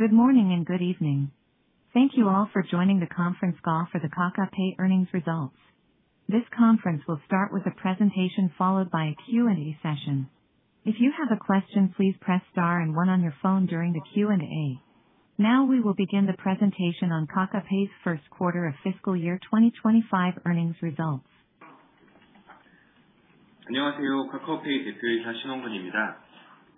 Good morning and good evening. Thank you all for joining the conference call for the Kakao Pay earnings results. This conference will start with a presentation followed by a Q&A session. If you have a question, please press star and one on your phone during the Q&A. Now we will begin the presentation on Kakao Pay's first quarter of fiscal year 2025 earnings results. 안녕하세요, 카카오페이 대표이사 신원근입니다.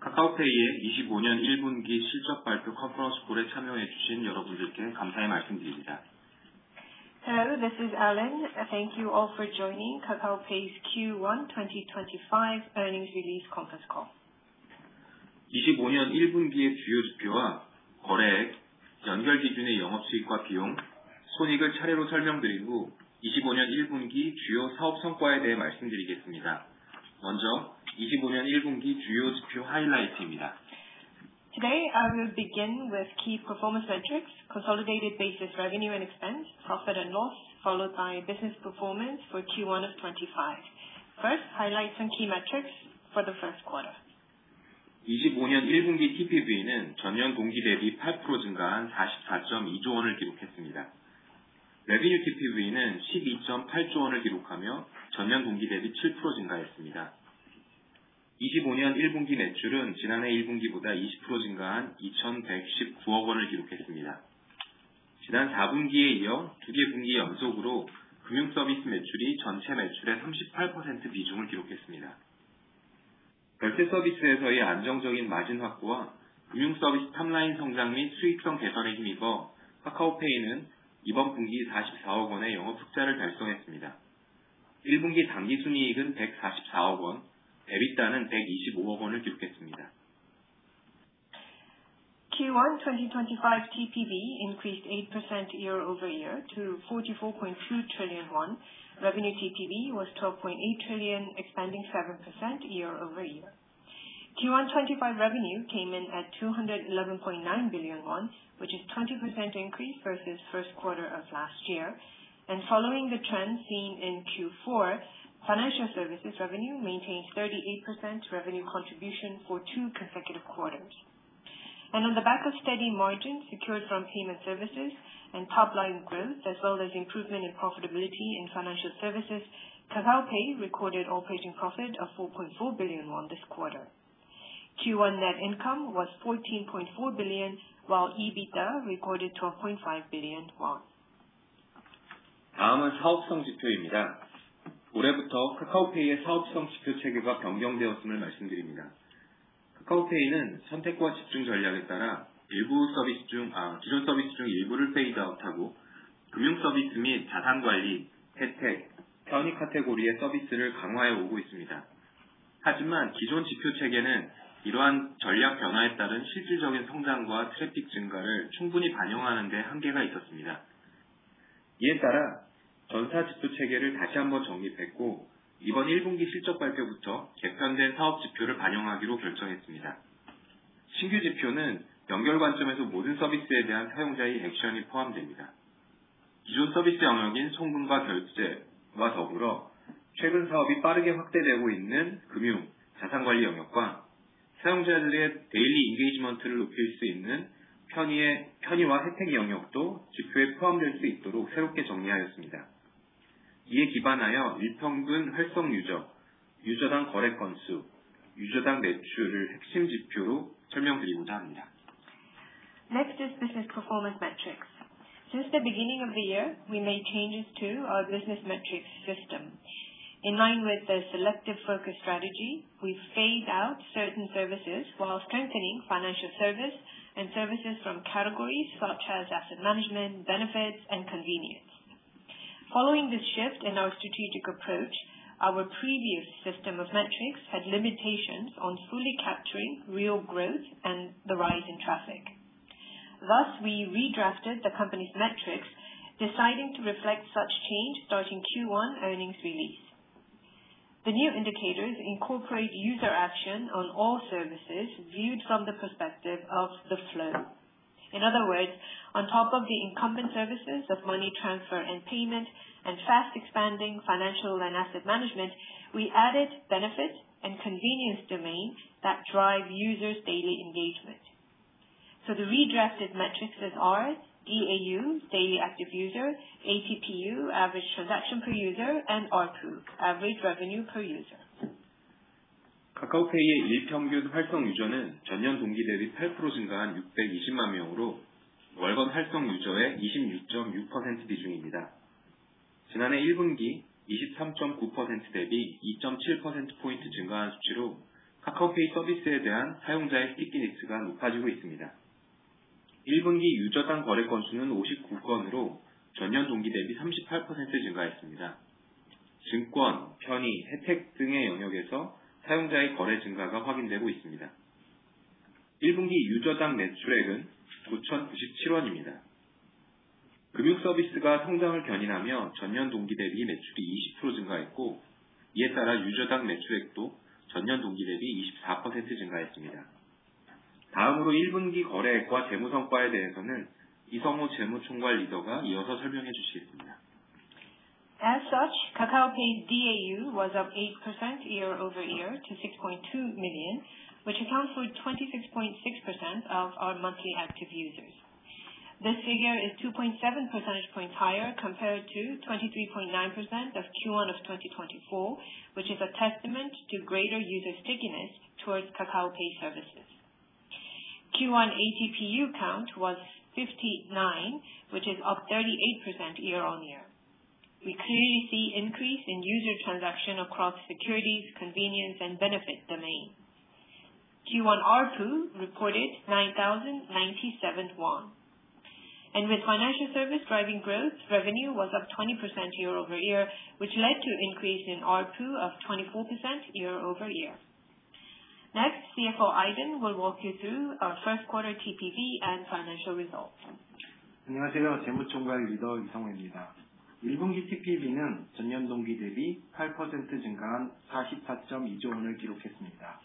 카카오페이의 2025년 1분기 실적 발표 컨퍼런스콜에 참여해 주신 여러분들께 감사의 말씀드립니다. Hello, this is Allen. Thank you all for joining Kakao Pay's Q1 2025 earnings release conference call. 2025년 1분기의 주요 지표와 거래액, 연결 기준의 영업 수익과 비용, 손익을 차례로 설명드린 후 2025년 1분기 주요 사업 성과에 대해 말씀드리겠습니다. 먼저 2025년 1분기 주요 지표 하이라이트입니다. Today I will begin with key performance metrics: consolidated basis revenue and expense, profit and loss, followed by business performance for Q1 of 2025. First, highlights and key metrics for the first quarter. 2025년 1분기 TPV는 전년 동기 대비 8% 증가한 44.2조 원을 기록했습니다. Revenue TPV는 12.8조 원을 기록하며 전년 동기 대비 7% 증가했습니다. 2025년 1분기 매출은 지난해 1분기보다 20% 증가한 2,119억 원을 기록했습니다. 지난 4분기에 이어 두개 분기 연속으로 금융 서비스 매출이 전체 매출의 38% 비중을 기록했습니다. 결제 서비스에서의 안정적인 마진 확보와 금융 서비스 탑라인 성장 및 수익성 개선에 힘입어 카카오페이는 이번 분기 44억 원의 영업 흑자를 달성했습니다. 1분기 당기 순이익은 144억 원, EBITDA는 125억 원을 기록했습니다. Q1 2025 TPV increased 8% year over year to ₩44.2 trillion. Revenue TPV was ₩12.8 trillion, expanding 7% year over year. Q1 2025 revenue came in at ₩211.9 billion, which is a 20% increase versus first quarter of last year. Following the trend seen in Q4, financial services revenue maintained 38% revenue contribution for two consecutive quarters. On the back of steady margin secured from payment services and top-line growth, as well as improvement in profitability in financial services, Kakao Pay recorded operating profit of ₩4.4 billion this quarter. Q1 net income was ₩14.4 billion, while EBITDA recorded ₩12.5 billion. 다음은 사업성 지표입니다. 올해부터 카카오페이의 사업성 지표 체계가 변경되었음을 말씀드립니다. 카카오페이는 선택과 집중 전략에 따라 기존 서비스 중 일부를 페이드 아웃하고 금융 서비스 및 자산 관리, 혜택, 편의 카테고리의 서비스를 강화해 오고 있습니다. 하지만 기존 지표 체계는 이러한 전략 변화에 따른 실질적인 성장과 트래픽 증가를 충분히 반영하는 데 한계가 있었습니다. 이에 따라 전사 지표 체계를 다시 한번 정립했고, 이번 1분기 실적 발표부터 개편된 사업 지표를 반영하기로 결정했습니다. 신규 지표는 연결 관점에서 모든 서비스에 대한 사용자의 액션이 포함됩니다. 기존 서비스 영역인 송금과 결제와 더불어 최근 사업이 빠르게 확대되고 있는 금융, 자산 관리 영역과 사용자들의 데일리 인게이지먼트를 높일 수 있는 편의와 혜택 영역도 지표에 포함될 수 있도록 새롭게 정리하였습니다. 이에 기반하여 일평균 활성 유저, 유저당 거래 건수, 유저당 매출을 핵심 지표로 설명드리고자 합니다. Next is business performance metrics. Since the beginning of the year, we made changes to our business metrics system. In line with the selective focus strategy, we phased out certain services while strengthening financial service and services from categories such as asset management, benefits, and convenience. Following this shift in our strategic approach, our previous system of metrics had limitations on fully capturing real growth and the rise in traffic. Thus, we redrafted the company's metrics, deciding to reflect such change starting Q1 earnings release. The new indicators incorporate user action on all services viewed from the perspective of the flow. In other words, on top of the incumbent services of money transfer and payment and fast expanding financial and asset management, we added benefits and convenience domains that drive users' daily engagement. The redrafted metrics are DAU, daily active user, ATPU, average transaction per user, and RPU, average revenue per user. 카카오페이의 일평균 활성 유저는 전년 동기 대비 8% 증가한 620만 명으로 월간 활성 유저의 26.6% 비중입니다. 지난해 1분기 23.9% 대비 2.7%포인트 증가한 수치로 카카오페이 서비스에 대한 사용자의 스티키니스가 높아지고 있습니다. 1분기 유저당 거래 건수는 59건으로 전년 동기 대비 38% 증가했습니다. 증권, 편의, 혜택 등의 영역에서 사용자의 거래 증가가 확인되고 있습니다. 1분기 유저당 매출액은 ₩9,097입니다. 금융 서비스가 성장을 견인하며 전년 동기 대비 매출이 20% 증가했고, 이에 따라 유저당 매출액도 전년 동기 대비 24% 증가했습니다. 다음으로 1분기 거래액과 재무 성과에 대해서는 이성우 재무 총괄 리더가 이어서 설명해 주시겠습니다. As such, Kakao Pay's DAU was up 8% year over year to 6.2 million, which accounts for 26.6% of our monthly active users. This figure is 2.7 percentage points higher compared to 23.9% of Q1 of 2024, which is a testament to greater user stickiness towards Kakao Pay services. Q1 ATPU count was 59, which is up 38% year on year. We clearly see an increase in user transaction across securities, convenience, and benefit domains. Q1 RPU reported ₩9,097. With financial service driving growth, revenue was up 20% year over year, which led to an increase in RPU of 24% year over year. Next, CFO Aiden will walk you through our first quarter TPV and financial results. 안녕하세요, 재무 총괄 리더 이성우입니다. 1분기 TPV는 전년 동기 대비 8% 증가한 ₩44.2조를 기록했습니다.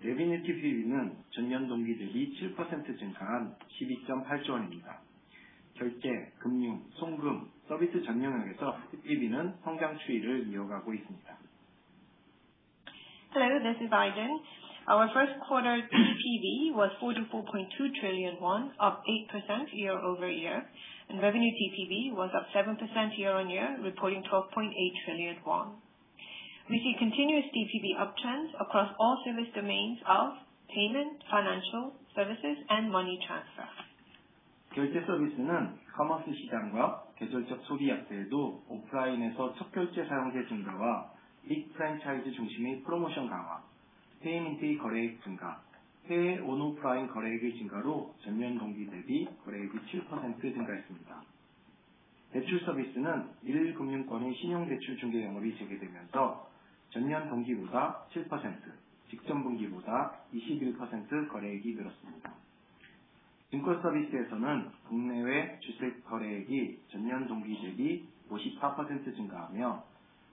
Revenue TPV는 전년 동기 대비 7% 증가한 ₩12.8조입니다. 결제, 금융, 송금, 서비스 전 영역에서 TPV는 성장 추이를 이어가고 있습니다. Hello, this is Aiden. Our first quarter TPV was ₩44.2 trillion, up 8% year over year. Revenue TPV was up 7% year on year, reporting ₩12.8 trillion. We see continuous TPV uptrends across all service domains of payment, financial services, and money transfer. 결제 서비스는 커머스 시장과 계절적 소비 약세에도 오프라인에서 첫 결제 사용자 증가와 빅 프랜차이즈 중심의 프로모션 강화, 페이먼트의 거래액 증가, 해외 온오프라인 거래액의 증가로 전년 동기 대비 거래액이 7% 증가했습니다. 대출 서비스는 1금융권의 신용 대출 중개 영업이 재개되면서 전년 동기보다 7%, 직전 분기보다 21% 거래액이 늘었습니다. 증권 서비스에서는 국내외 주식 거래액이 전년 동기 대비 54% 증가하며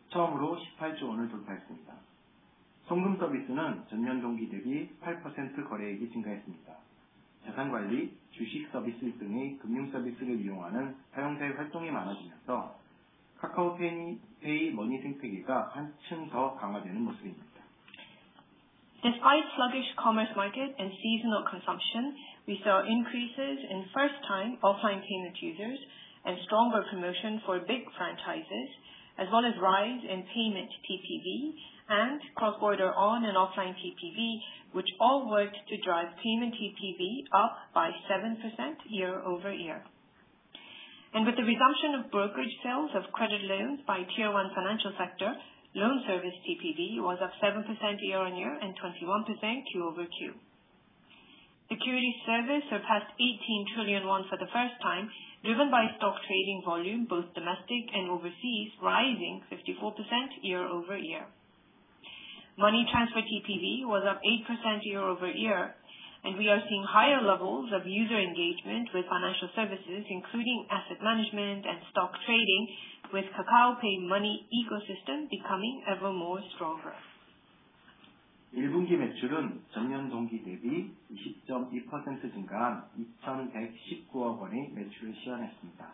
처음으로 18조 원을 돌파했습니다. 송금 서비스는 전년 동기 대비 8% 거래액이 증가했습니다. 자산 관리, 주식 서비스 등의 금융 서비스를 이용하는 사용자의 활동이 많아지면서 카카오페이 머니 생태계가 한층 더 강화되는 모습입니다. Despite sluggish commerce market and seasonal consumption, we saw increases in first-time offline payment users and stronger promotion for big franchises, as well as rise in payment TPV and cross-border on and offline TPV, which all worked to drive payment TPV up by 7% year over year. With the resumption of brokerage sales of credit loans by tier one financial sector, loan service TPV was up 7% year on year and 21% quarter over quarter. Securities service surpassed ₩18 trillion for the first time, driven by stock trading volume, both domestic and overseas, rising 54% year over year. Money transfer TPV was up 8% year over year, and we are seeing higher levels of user engagement with financial services, including asset management and stock trading, with Kakao Pay Money ecosystem becoming ever more stronger. 1분기 매출은 전년 동기 대비 20.2% 증가한 ₩2,119억 원의 매출을 시현했습니다.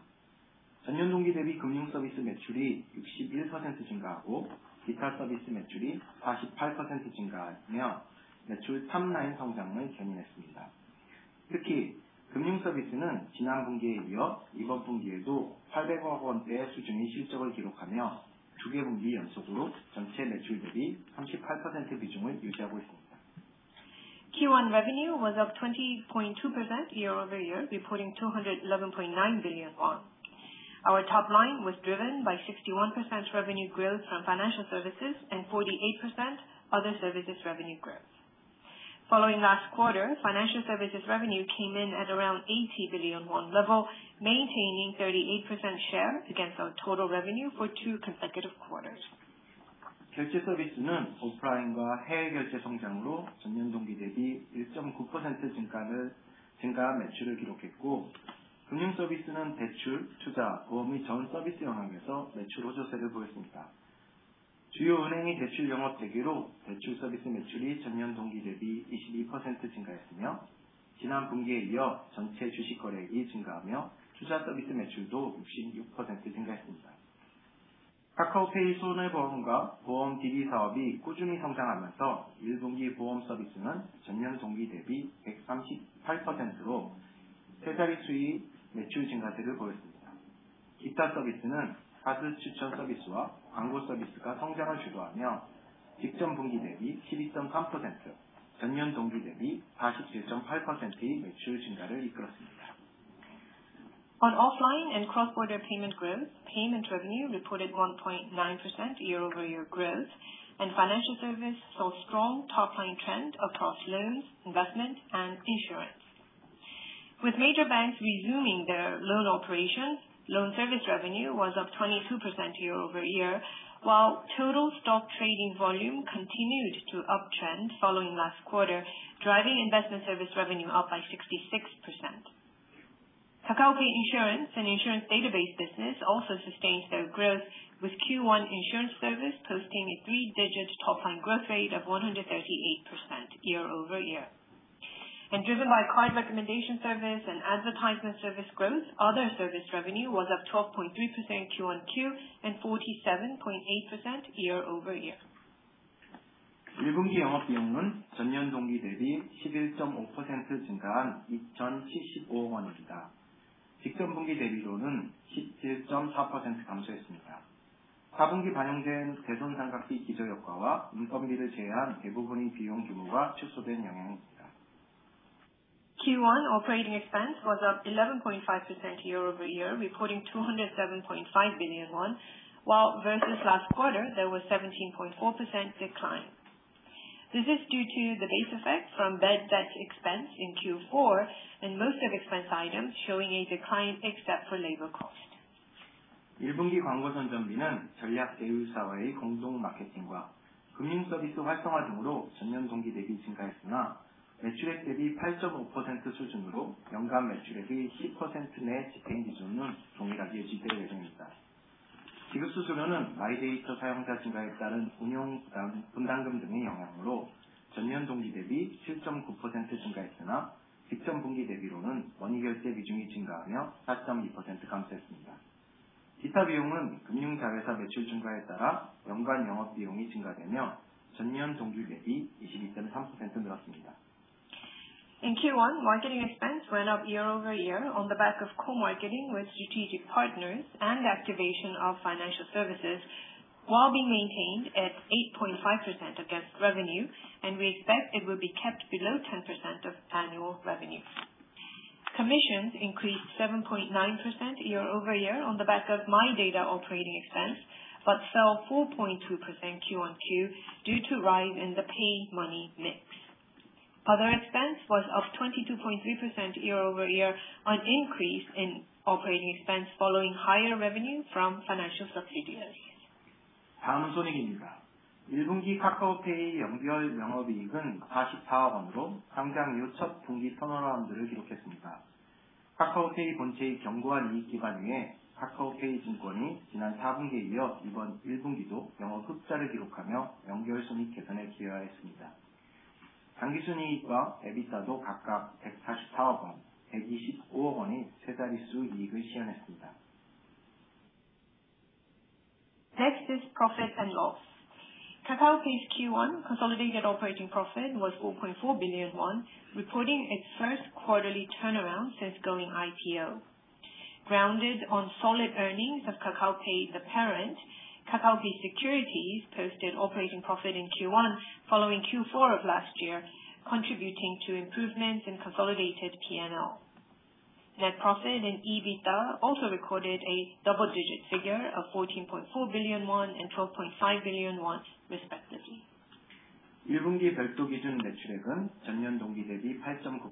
전년 동기 대비 금융 서비스 매출이 61% 증가하고 기타 서비스 매출이 48% 증가하며 매출 탑라인 성장을 견인했습니다. 특히 금융 서비스는 지난 분기에 이어 이번 분기에도 ₩800억 원대 수준의 실적을 기록하며 두개 분기 연속으로 전체 매출 대비 38% 비중을 유지하고 있습니다. Q1 revenue was up 20.2% year over year, reporting ₩211.9 billion. Our top line was driven by 61% revenue growth from financial services and 48% other services revenue growth. Following last quarter, financial services revenue came in at around ₩80 billion level, maintaining 38% share against our total revenue for two consecutive quarters. 결제 서비스는 오프라인과 해외 결제 성장으로 전년 동기 대비 1.9% 증가한 매출을 기록했고, 금융 서비스는 대출, 투자, 보험의 전 서비스 영역에서 매출 호조세를 보였습니다. 주요 은행의 대출 영업 대기로 대출 서비스 매출이 전년 동기 대비 22% 증가했으며, 지난 분기에 이어 전체 주식 거래액이 증가하며 투자 서비스 매출도 66% 증가했습니다. 카카오페이 손해보험과 보험 DB 사업이 꾸준히 성장하면서 1분기 보험 서비스는 전년 동기 대비 138%로 세 자리 수의 매출 증가세를 보였습니다. 기타 서비스는 카드 추천 서비스와 광고 서비스가 성장을 주도하며 직전 분기 대비 12.3%, 전년 동기 대비 47.8%의 매출 증가를 이끌었습니다. On offline and cross-border payment growth, payment revenue reported 1.9% year-over-year growth, and financial service saw strong top-line trend across loans, investment, and insurance. With major banks resuming their loan operations, loan service revenue was up 22% year-over-year, while total stock trading volume continued to uptrend following last quarter, driving investment service revenue up by 66%. Kakao Pay Insurance and insurance database business also sustained their growth, with Q1 insurance service posting a three-digit top-line growth rate of 138% year-over-year. Driven by card recommendation service and advertisement service growth, other service revenue was up 12.3% quarter-on-quarter and 47.8% year-over-year. 1분기 영업 비용은 전년 동기 대비 11.5% 증가한 2,075억 원입니다. 직전 분기 대비로는 17.4% 감소했습니다. 4분기 반영된 대손상각비 기저 효과와 인건비를 제외한 대부분의 비용 규모가 축소된 영향입니다. Q1 operating expense was up 11.5% year over year, reporting ₩207.5 billion, while versus last quarter, there was a 17.4% decline. This is due to the base effect from bad debt expense in Q4 and most expense items showing a decline, except for labor cost. 1분기 광고 선전비는 전략 제휴사와의 공동 마케팅과 금융 서비스 활성화 등으로 전년 동기 대비 증가했으나, 매출액 대비 8.5% 수준으로 연간 매출액의 10% 내 집행 기준은 동일하게 유지될 예정입니다. 지급 수수료는 마이데이터 사용자 증가에 따른 운용 분담금 등의 영향으로 전년 동기 대비 7.9% 증가했으나, 직전 분기 대비로는 머니 결제 비중이 증가하며 4.2% 감소했습니다. 기타 비용은 금융 자회사 매출 증가에 따라 연간 영업 비용이 증가되며 전년 동기 대비 22.3% 늘었습니다. In Q1, marketing expense went up year over year on the back of co-marketing with strategic partners and activation of financial services, while being maintained at 8.5% against revenue, and we expect it will be kept below 10% of annual revenue. Commissions increased 7.9% year over year on the back of higher data operating expense, but fell 4.2% quarter on quarter due to rise in the prepaid money mix. Other expense was up 22.3% year over year on increase in operating expense following higher revenue from financial subsidiaries. 다음은 손익입니다. 1분기 카카오페이 연결 영업이익은 ₩4.4 billion으로 상장 이후 첫 분기 턴어라운드를 기록했습니다. 카카오페이 본체의 견고한 이익 기반 위에 카카오페이 증권이 지난 4분기에 이어 이번 1분기도 영업 흑자를 기록하며 연결 손익 개선에 기여하였습니다. 당기 순이익과 EBITDA도 각각 ₩14.4 billion, ₩12.5 billion의 세 자리 수 이익을 시현했습니다. Next is profit and loss. Kakao Pay's Q1 consolidated operating profit was ₩4.4 billion, reporting its first quarterly turnaround since going IPO. Grounded on solid earnings of Kakao Pay, the parent, Kakao Pay Securities posted operating profit in Q1 following Q4 of last year, contributing to improvements in consolidated P&L. Net profit and EBITDA also recorded a double-digit figure of ₩14.4 billion and ₩12.5 billion, respectively. 1분기 별도 기준 매출액은 전년 동기 대비 8.9%,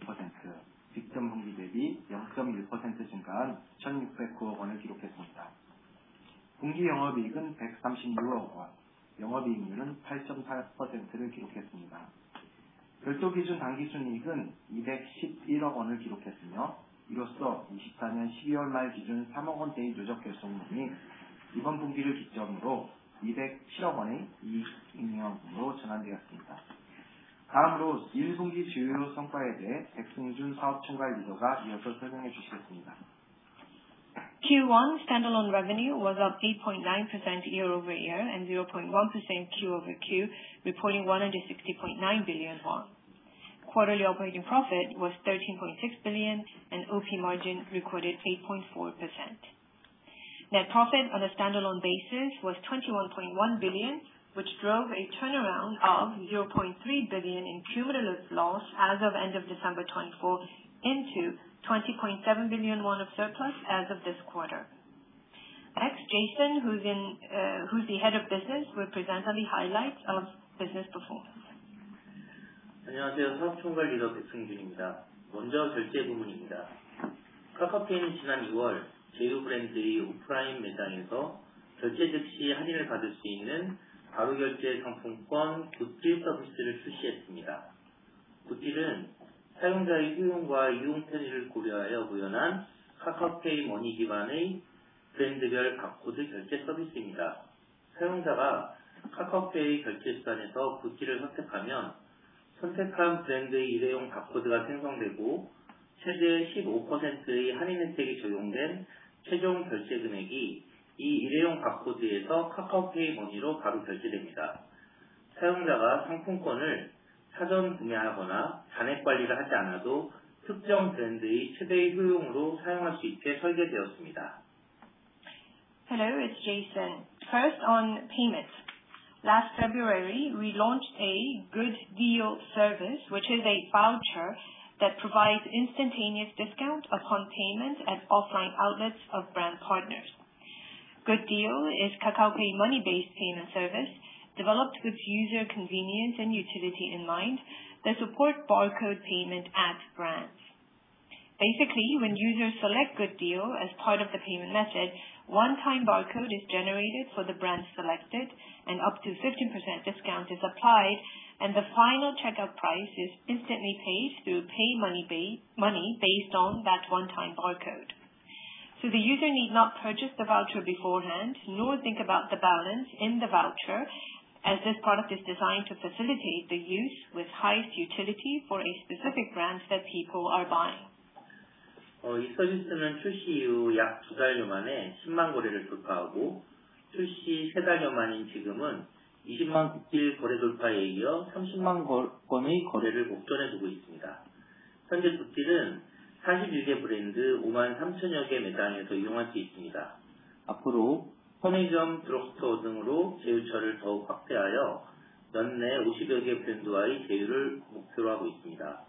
직전 분기 대비 0.1% 증가한 1,609억 원을 기록했습니다. 분기 영업이익은 136억 원, 영업이익률은 8.4%를 기록했습니다. 별도 기준 당기순이익은 211억 원을 기록했으며, 이로써 24년 12월 말 기준 3억 원대의 누적 결손금이 이번 분기를 기점으로 207억 원의 이익잉여금으로 전환되었습니다. 다음으로 1분기 주요 성과에 대해 백승준 사업총괄 리더가 이어서 설명해 주시겠습니다. Q1 standalone revenue was up 8.9% year over year and 0.1% quarter over quarter, reporting ₩160.9 billion. Quarterly operating profit was ₩13.6 billion, and operating profit margin recorded 8.4%. Net profit on a standalone basis was ₩21.1 billion, which drove a turnaround of ₩0.3 billion in cumulative loss as of end of December 2024 into ₩20.7 billion of surplus as of this quarter. Next, Jason, who's the Head of Business, will present on the highlights of business performance. 안녕하세요, 사업 총괄 리더 백승준입니다. 먼저 결제 부문입니다. 카카오페이는 지난 2월 제휴 브랜드의 오프라인 매장에서 결제 즉시 할인을 받을 수 있는 바로 결제 상품권 굿딜 서비스를 출시했습니다. 굿딜은 사용자의 효용과 이용 편의를 고려하여 구현한 카카오페이 머니 기반의 브랜드별 바코드 결제 서비스입니다. 사용자가 카카오페이 결제 수단에서 굿딜을 선택하면 선택한 브랜드의 일회용 바코드가 생성되고 최대 15%의 할인 혜택이 적용된 최종 결제 금액이 이 일회용 바코드에서 카카오페이 머니로 바로 결제됩니다. 사용자가 상품권을 사전 구매하거나 잔액 관리를 하지 않아도 특정 브랜드의 최대 효용으로 사용할 수 있게 설계되었습니다. Hello, it's Jason. First on payments. Last February, we launched a Good Deal service, which is a voucher that provides instantaneous discount upon payment at offline outlets of brand partners. Good Deal is Kakao Pay Money-based payment service developed with user convenience and utility in mind that supports barcode payment at brands. Basically, when users select Good Deal as part of the payment method, a one-time barcode is generated for the brand selected, and up to 15% discount is applied, and the final checkout price is instantly paid through Pay Money based on that one-time barcode. So the user need not purchase the voucher beforehand, nor think about the balance in the voucher, as this product is designed to facilitate the use with highest utility for a specific brand that people are buying. 2020년 출시 이후 약두 달여 만에 10만 거래를 돌파하고, 출시 세 달여 만인 지금은 20만 굿딜 거래 돌파에 이어 30만 건의 거래를 목전에 두고 있습니다. 현재 굿딜은 41개 브랜드, 53,000여 개 매장에서 이용할 수 있습니다. 앞으로 편의점, 드럭스토어 등으로 제휴처를 더욱 확대하여 연내 50여 개 브랜드와의 제휴를 목표로 하고 있습니다.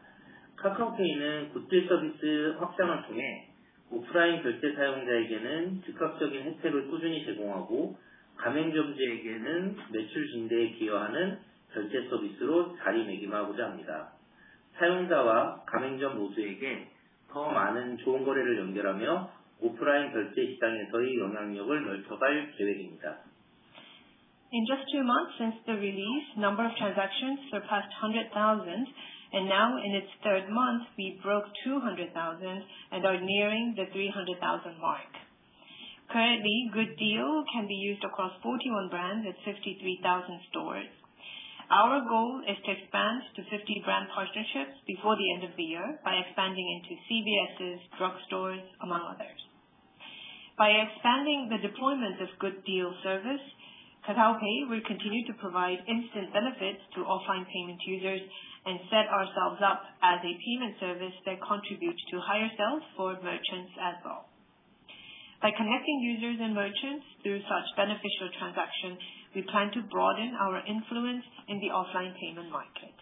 카카오페이는 굿딜 서비스 확장을 통해 오프라인 결제 사용자에게는 즉각적인 혜택을 꾸준히 제공하고, 가맹점주에게는 매출 증대에 기여하는 결제 서비스로 자리매김하고자 합니다. 사용자와 가맹점 모두에게 더 많은 좋은 거래를 연결하며 오프라인 결제 시장에서의 영향력을 넓혀갈 계획입니다. In just two months since the release, the number of transactions surpassed 100,000, and now in its third month, we broke 200,000 and are nearing the 300,000 mark. Currently, Good Deal can be used across 41 brands at 53,000 stores. Our goal is to expand to 50 brand partnerships before the end of the year by expanding into CVSs, drugstores, among others. By expanding the deployment of Good Deal service, Kakao Pay will continue to provide instant benefits to offline payment users and set ourselves up as a payment service that contributes to higher sales for merchants as well. By connecting users and merchants through such beneficial transactions, we plan to broaden our influence in the offline payment market.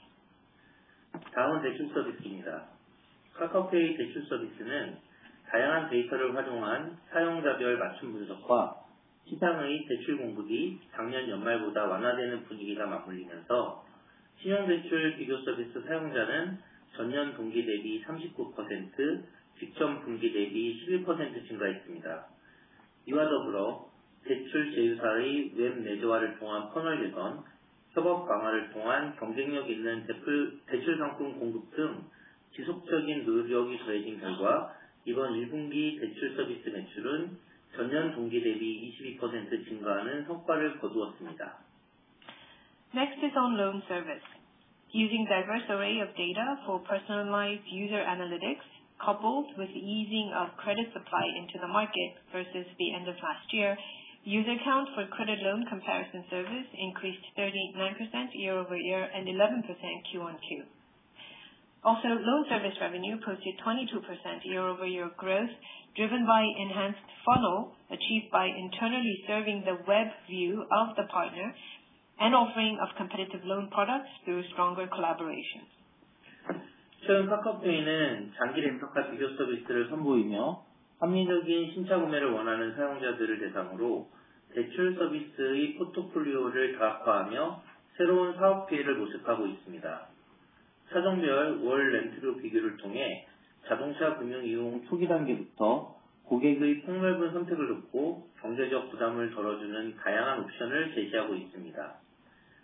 다음은 대출 서비스입니다. 카카오페이 대출 서비스는 다양한 데이터를 활용한 사용자별 맞춤 분석과 시장의 대출 공급이 작년 연말보다 완화되는 분위기가 맞물리면서 신용 대출 비교 서비스 사용자는 전년 동기 대비 39%, 직전 분기 대비 11% 증가했습니다. 이와 더불어 대출 제휴사의 웹 내재화를 통한 퍼널 개선, 협업 강화를 통한 경쟁력 있는 대출 상품 공급 등 지속적인 노력이 더해진 결과, 이번 1분기 대출 서비스 매출은 전년 동기 대비 22% 증가하는 성과를 거두었습니다. Next is on loan service. Using a diverse array of data for personalized user analytics, coupled with easing of credit supply into the market versus the end of last year, user count for credit loan comparison service increased 39% year over year and 11% quarter on quarter. Also, loan service revenue posted 22% year over year growth, driven by enhanced funnel achieved by internally serving the web view of the partner and offering of competitive loan products through stronger collaboration. 최근 카카오페이는 장기 렌터카 비교 서비스를 선보이며 합리적인 신차 구매를 원하는 사용자들을 대상으로 대출 서비스의 포트폴리오를 다각화하며 새로운 사업 기회를 모색하고 있습니다. 차종별 월 렌트료 비교를 통해 자동차 금융 이용 초기 단계부터 고객의 폭넓은 선택을 돕고 경제적 부담을 덜어주는 다양한 옵션을 제시하고 있습니다.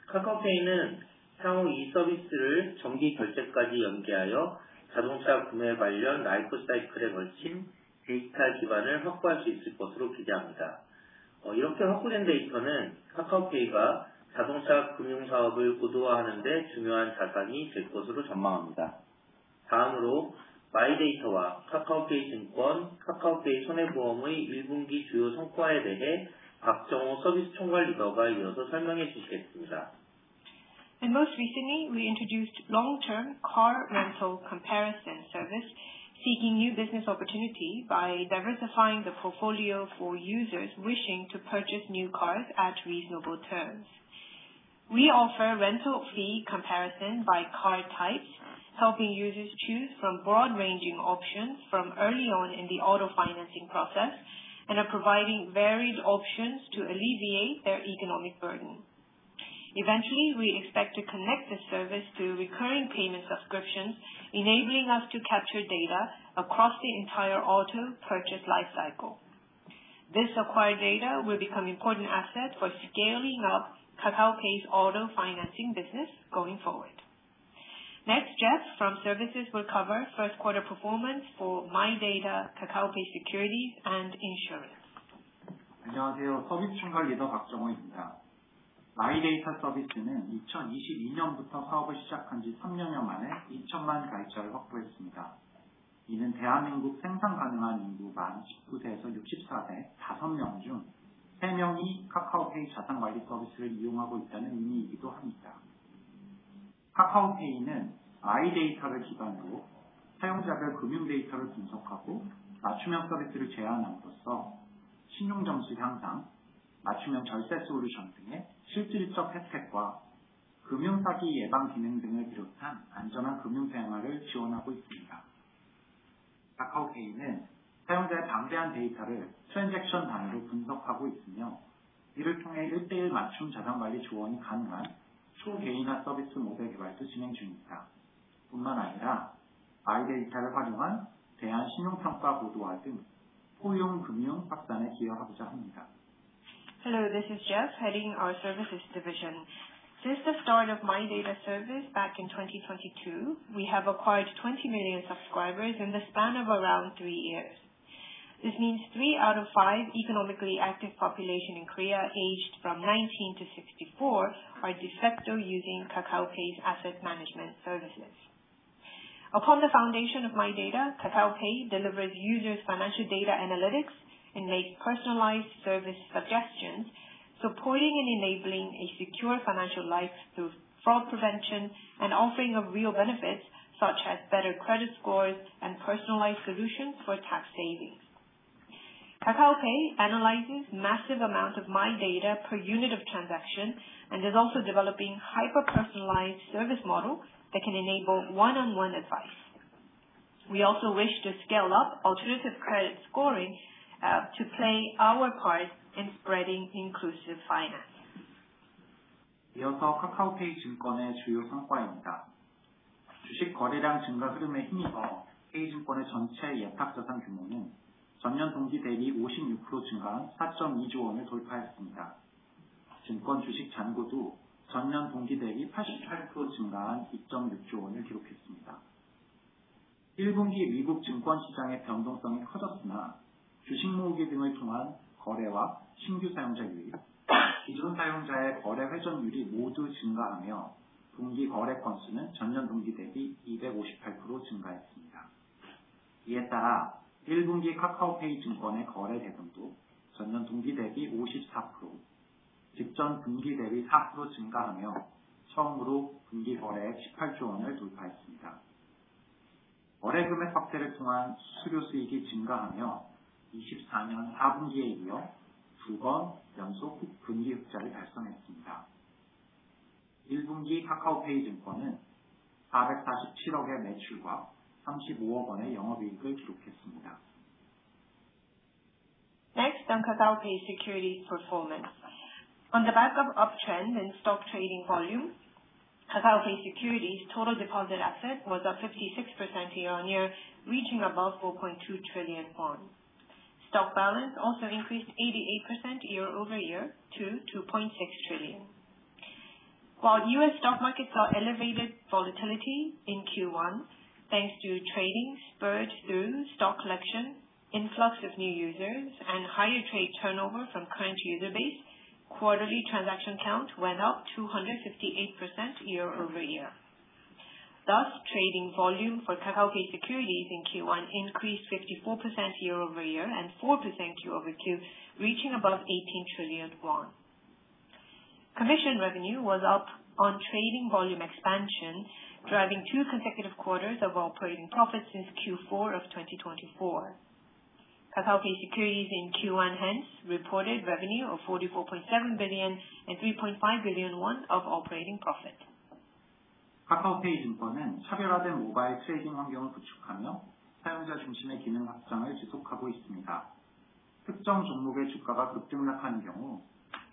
카카오페이는 향후 이 서비스를 정기 결제까지 연계하여 자동차 구매 관련 라이프 사이클에 걸친 데이터 기반을 확보할 수 있을 것으로 기대합니다. 이렇게 확보된 데이터는 카카오페이가 자동차 금융 사업을 고도화하는 데 중요한 자산이 될 것으로 전망합니다. 다음으로 마이데이터와 카카오페이 증권, 카카오페이 손해보험의 1분기 주요 성과에 대해 박정호 서비스 총괄 리더가 이어서 설명해 주시겠습니다. Most recently, we introduced long-term car rental comparison service, seeking new business opportunities by diversifying the portfolio for users wishing to purchase new cars at reasonable terms. We offer rental fee comparison by car types, helping users choose from broad-ranging options from early on in the auto financing process and providing varied options to alleviate their economic burden. Eventually, we expect to connect this service to recurring payment subscriptions, enabling us to capture data across the entire auto purchase lifecycle. This acquired data will become an important asset for scaling up Kakao Pay's auto financing business going forward. Next, Jeff from services will cover first-quarter performance for MyData, Kakao Pay Securities, and Insurance. 안녕하세요, 서비스 총괄 리더 박정호입니다. 마이데이터 서비스는 2022년부터 사업을 시작한 지 3년여 만에 2,000만 가입자를 확보했습니다. 이는 대한민국 생산 가능한 인구 만 19세에서 64세 5명 중 3명이 카카오페이 자산 관리 서비스를 이용하고 있다는 의미이기도 합니다. 카카오페이는 마이데이터를 기반으로 사용자별 금융 데이터를 분석하고 맞춤형 서비스를 제안함으로써 신용 점수 향상, 맞춤형 절세 솔루션 등의 실질적 혜택과 금융 사기 예방 기능 등을 비롯한 안전한 금융 생활을 지원하고 있습니다. 카카오페이는 사용자의 방대한 데이터를 트랜잭션 단위로 분석하고 있으며, 이를 통해 일대일 맞춤 자산 관리 조언이 가능한 초개인화 서비스 모델 개발도 진행 중입니다. 뿐만 아니라 마이데이터를 활용한 대안 신용 평가 고도화 등 포용 금융 확산에 기여하고자 합니다. Hello, this is Jeff, heading our services division. Since the start of MyData service back in 2022, we have acquired 20 million subscribers in the span of around three years. This means three out of five economically active population in Korea, aged from 19 to 64, are de facto using Kakao Pay's asset management services. Upon the foundation of MyData, Kakao Pay delivers users' financial data analytics and makes personalized service suggestions, supporting and enabling a secure financial life through fraud prevention and offering real benefits such as better credit scores and personalized solutions for tax savings. Kakao Pay analyzes massive amounts of MyData per unit of transaction and is also developing a hyper-personalized service model that can enable one-on-one advice. We also wish to scale up alternative credit scoring to play our part in spreading inclusive finance. 이어서 카카오페이 증권의 주요 성과입니다. 주식 거래량 증가 흐름에 힘입어 페이 증권의 전체 예탁 자산 규모는 전년 동기 대비 56% 증가한 ₩4.2조를 돌파했습니다. 증권 주식 잔고도 전년 동기 대비 88% 증가한 ₩2.6조를 기록했습니다. 1분기 미국 증권 시장의 변동성이 커졌으나 주식 모으기 등을 통한 거래와 신규 사용자 유입, 기존 사용자의 거래 회전율이 모두 증가하며 분기 거래 건수는 전년 동기 대비 258% 증가했습니다. 이에 따라 1분기 카카오페이 증권의 거래 대금도 전년 동기 대비 54%, 직전 분기 대비 4% 증가하며 처음으로 분기 거래액 ₩18조를 돌파했습니다. 거래 금액 확대를 통한 수수료 수익이 증가하며 2024년 4분기에 이어 두번 연속 분기 흑자를 달성했습니다. 1분기 카카오페이 증권은 ₩447억의 매출과 ₩35억의 영업 이익을 기록했습니다. Next, on Kakao Pay Securities performance. On the back of uptrend in stock trading volumes, Kakao Pay Securities' total deposit asset was up 56% year-on-year, reaching above ₩4.2 trillion. Stock balance also increased 88% year-over-year to ₩2.6 trillion. While US stock markets saw elevated volatility in Q1, thanks to trading spurred through stock collection, influx of new users, and higher trade turnover from current user base, quarterly transaction count went up 258% year-over-year. Thus, trading volume for Kakao Pay Securities in Q1 increased 54% year-over-year and 4% quarter-over-quarter, reaching above ₩18 trillion. Commission revenue was up on trading volume expansion, driving two consecutive quarters of operating profit since Q4 of 2023. Kakao Pay Securities in Q1 hence reported revenue of ₩44.7 billion and ₩3.5 billion of operating profit. 카카오페이 증권은 차별화된 모바일 트레이딩 환경을 구축하며 사용자 중심의 기능 확장을 지속하고 있습니다. 특정 종목의 주가가 급등락하는 경우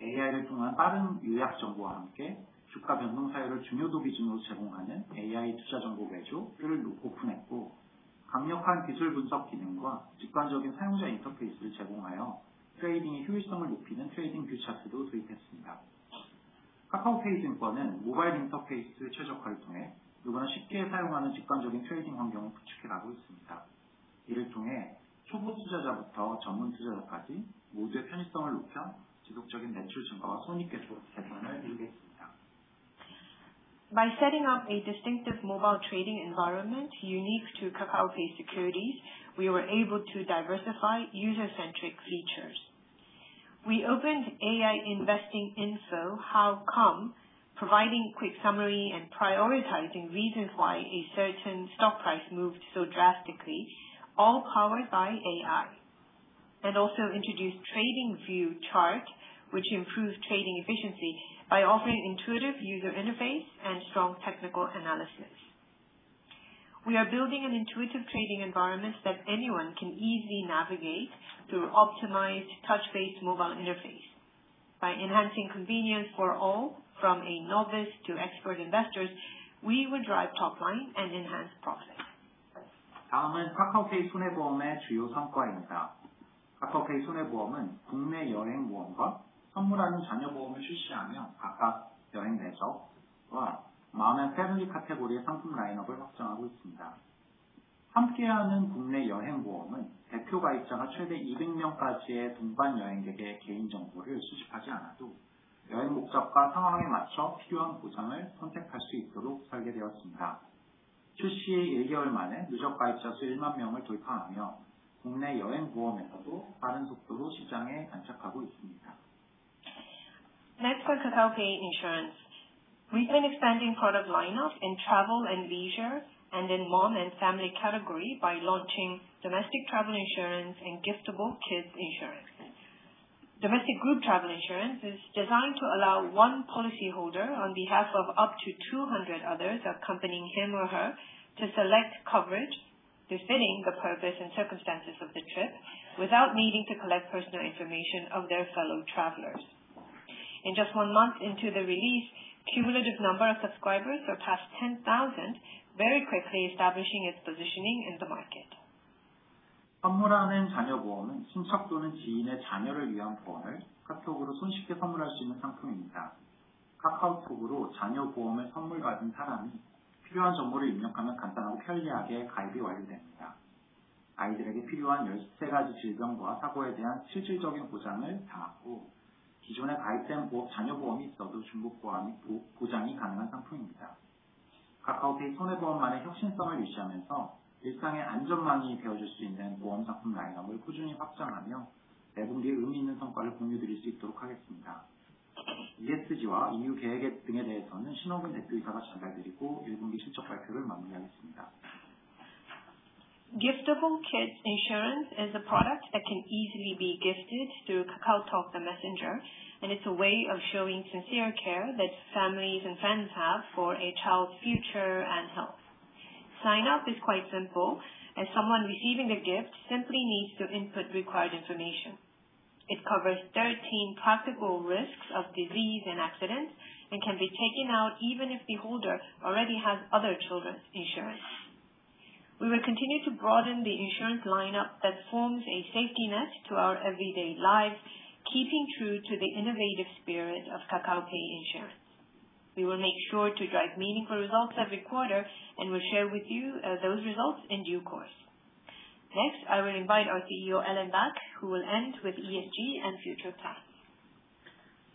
AI를 통한 빠른 요약 정보와 함께 주가 변동 사유를 중요도 기준으로 제공하는 AI 투자 정보 서비스를 오픈했고, 강력한 기술 분석 기능과 직관적인 사용자 인터페이스를 제공하여 트레이딩의 효율성을 높이는 트레이딩 뷰 차트도 도입했습니다. 카카오페이 증권은 모바일 인터페이스 최적화를 통해 누구나 쉽게 사용하는 직관적인 트레이딩 환경을 구축해 가고 있습니다. 이를 통해 초보 투자자부터 전문 투자자까지 모두의 편의성을 높여 지속적인 매출 증가와 손익 개선을 이루겠습니다. By setting up a distinctive mobile trading environment unique to Kakao Pay Securities, we were able to diversify user-centric features. We opened AI Investing Info, providing quick summaries and prioritizing reasons why a certain stock price moved so drastically, all powered by AI. We also introduced TradingView Chart, which improves trading efficiency by offering an intuitive user interface and strong technical analysis. We are building an intuitive trading environment that anyone can easily navigate through an optimized touch-based mobile interface. By enhancing convenience for all, from novice to expert investors, we will drive top line and enhance profit. 다음은 카카오페이 손해보험의 주요 성과입니다. 카카오페이 손해보험은 국내 여행보험과 선물하는 자녀보험을 출시하며 각각 여행레저와 마음앤패밀리 카테고리의 상품 라인업을 확장하고 있습니다. 함께하는 국내 여행보험은 대표 가입자가 최대 200명까지의 동반 여행객의 개인정보를 수집하지 않아도 여행 목적과 상황에 맞춰 필요한 보장을 선택할 수 있도록 설계되었습니다. 출시 1개월 만에 누적 가입자 수 1만 명을 돌파하며 국내 여행보험에서도 빠른 속도로 시장에 안착하고 있습니다. Next for Kakao Pay Insurance, we've been expanding product lineup in travel and leisure and in Maum and Family category by launching domestic travel insurance and Giftable Kids Insurance. Domestic group travel insurance is designed to allow one policyholder on behalf of up to 200 others accompanying him or her to select coverage befitting the purpose and circumstances of the trip without needing to collect personal information of their fellow travelers. In just one month into the release, the cumulative number of subscribers surpassed 10,000, very quickly establishing its positioning in the market. 선물하는 자녀 보험은 친척 또는 지인의 자녀를 위한 보험을 카톡으로 손쉽게 선물할 수 있는 상품입니다. 카카오톡으로 자녀 보험을 선물 받은 사람이 필요한 정보를 입력하면 간단하고 편리하게 가입이 완료됩니다. 아이들에게 필요한 13가지 질병과 사고에 대한 실질적인 보장을 담았고 기존에 가입된 자녀 보험이 있어도 중복 보장이 가능한 상품입니다. 카카오페이 손해보험만의 혁신성을 유지하면서 일상의 안전망이 되어줄 수 있는 보험 상품 라인업을 꾸준히 확장하며 매 분기에 의미 있는 성과를 공유드릴 수 있도록 하겠습니다. ESG와 EU 계획 등에 대해서는 신원근 대표이사가 전달드리고 1분기 실적 발표를 마무리하겠습니다. Giftable Kids Insurance is a product that can easily be gifted through KakaoTalk the Messenger, and it's a way of showing sincere care that families and friends have for a child's future and health. Sign-up is quite simple, as someone receiving the gift simply needs to input required information. It covers 13 practical risks of disease and accidents and can be taken out even if the holder already has other children's insurance. We will continue to broaden the insurance lineup that forms a safety net to our everyday lives, keeping true to the innovative spirit of Kakao Pay Insurance. We will make sure to drive meaningful results every quarter and will share with you those results in due course. Next, I will invite our CEO, Allen Shin, who will end with ESG and future plans.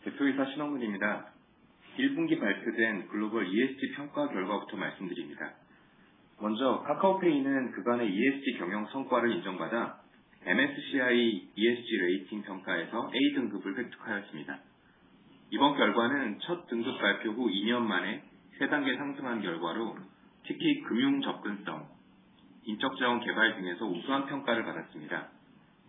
대표이사 신원근 입니다. 1분기 발표된 글로벌 ESG 평가 결과부터 말씀드립니다. 먼저 카카오페이는 그간의 ESG 경영 성과를 인정받아 MSCI ESG 레이팅 평가에서 A등급을 획득하였습니다. 이번 결과는 첫 등급 발표 후 2년 만에 3단계 상승한 결과로, 특히 금융 접근성, 인적 자원 개발 등에서 우수한 평가를 받았습니다.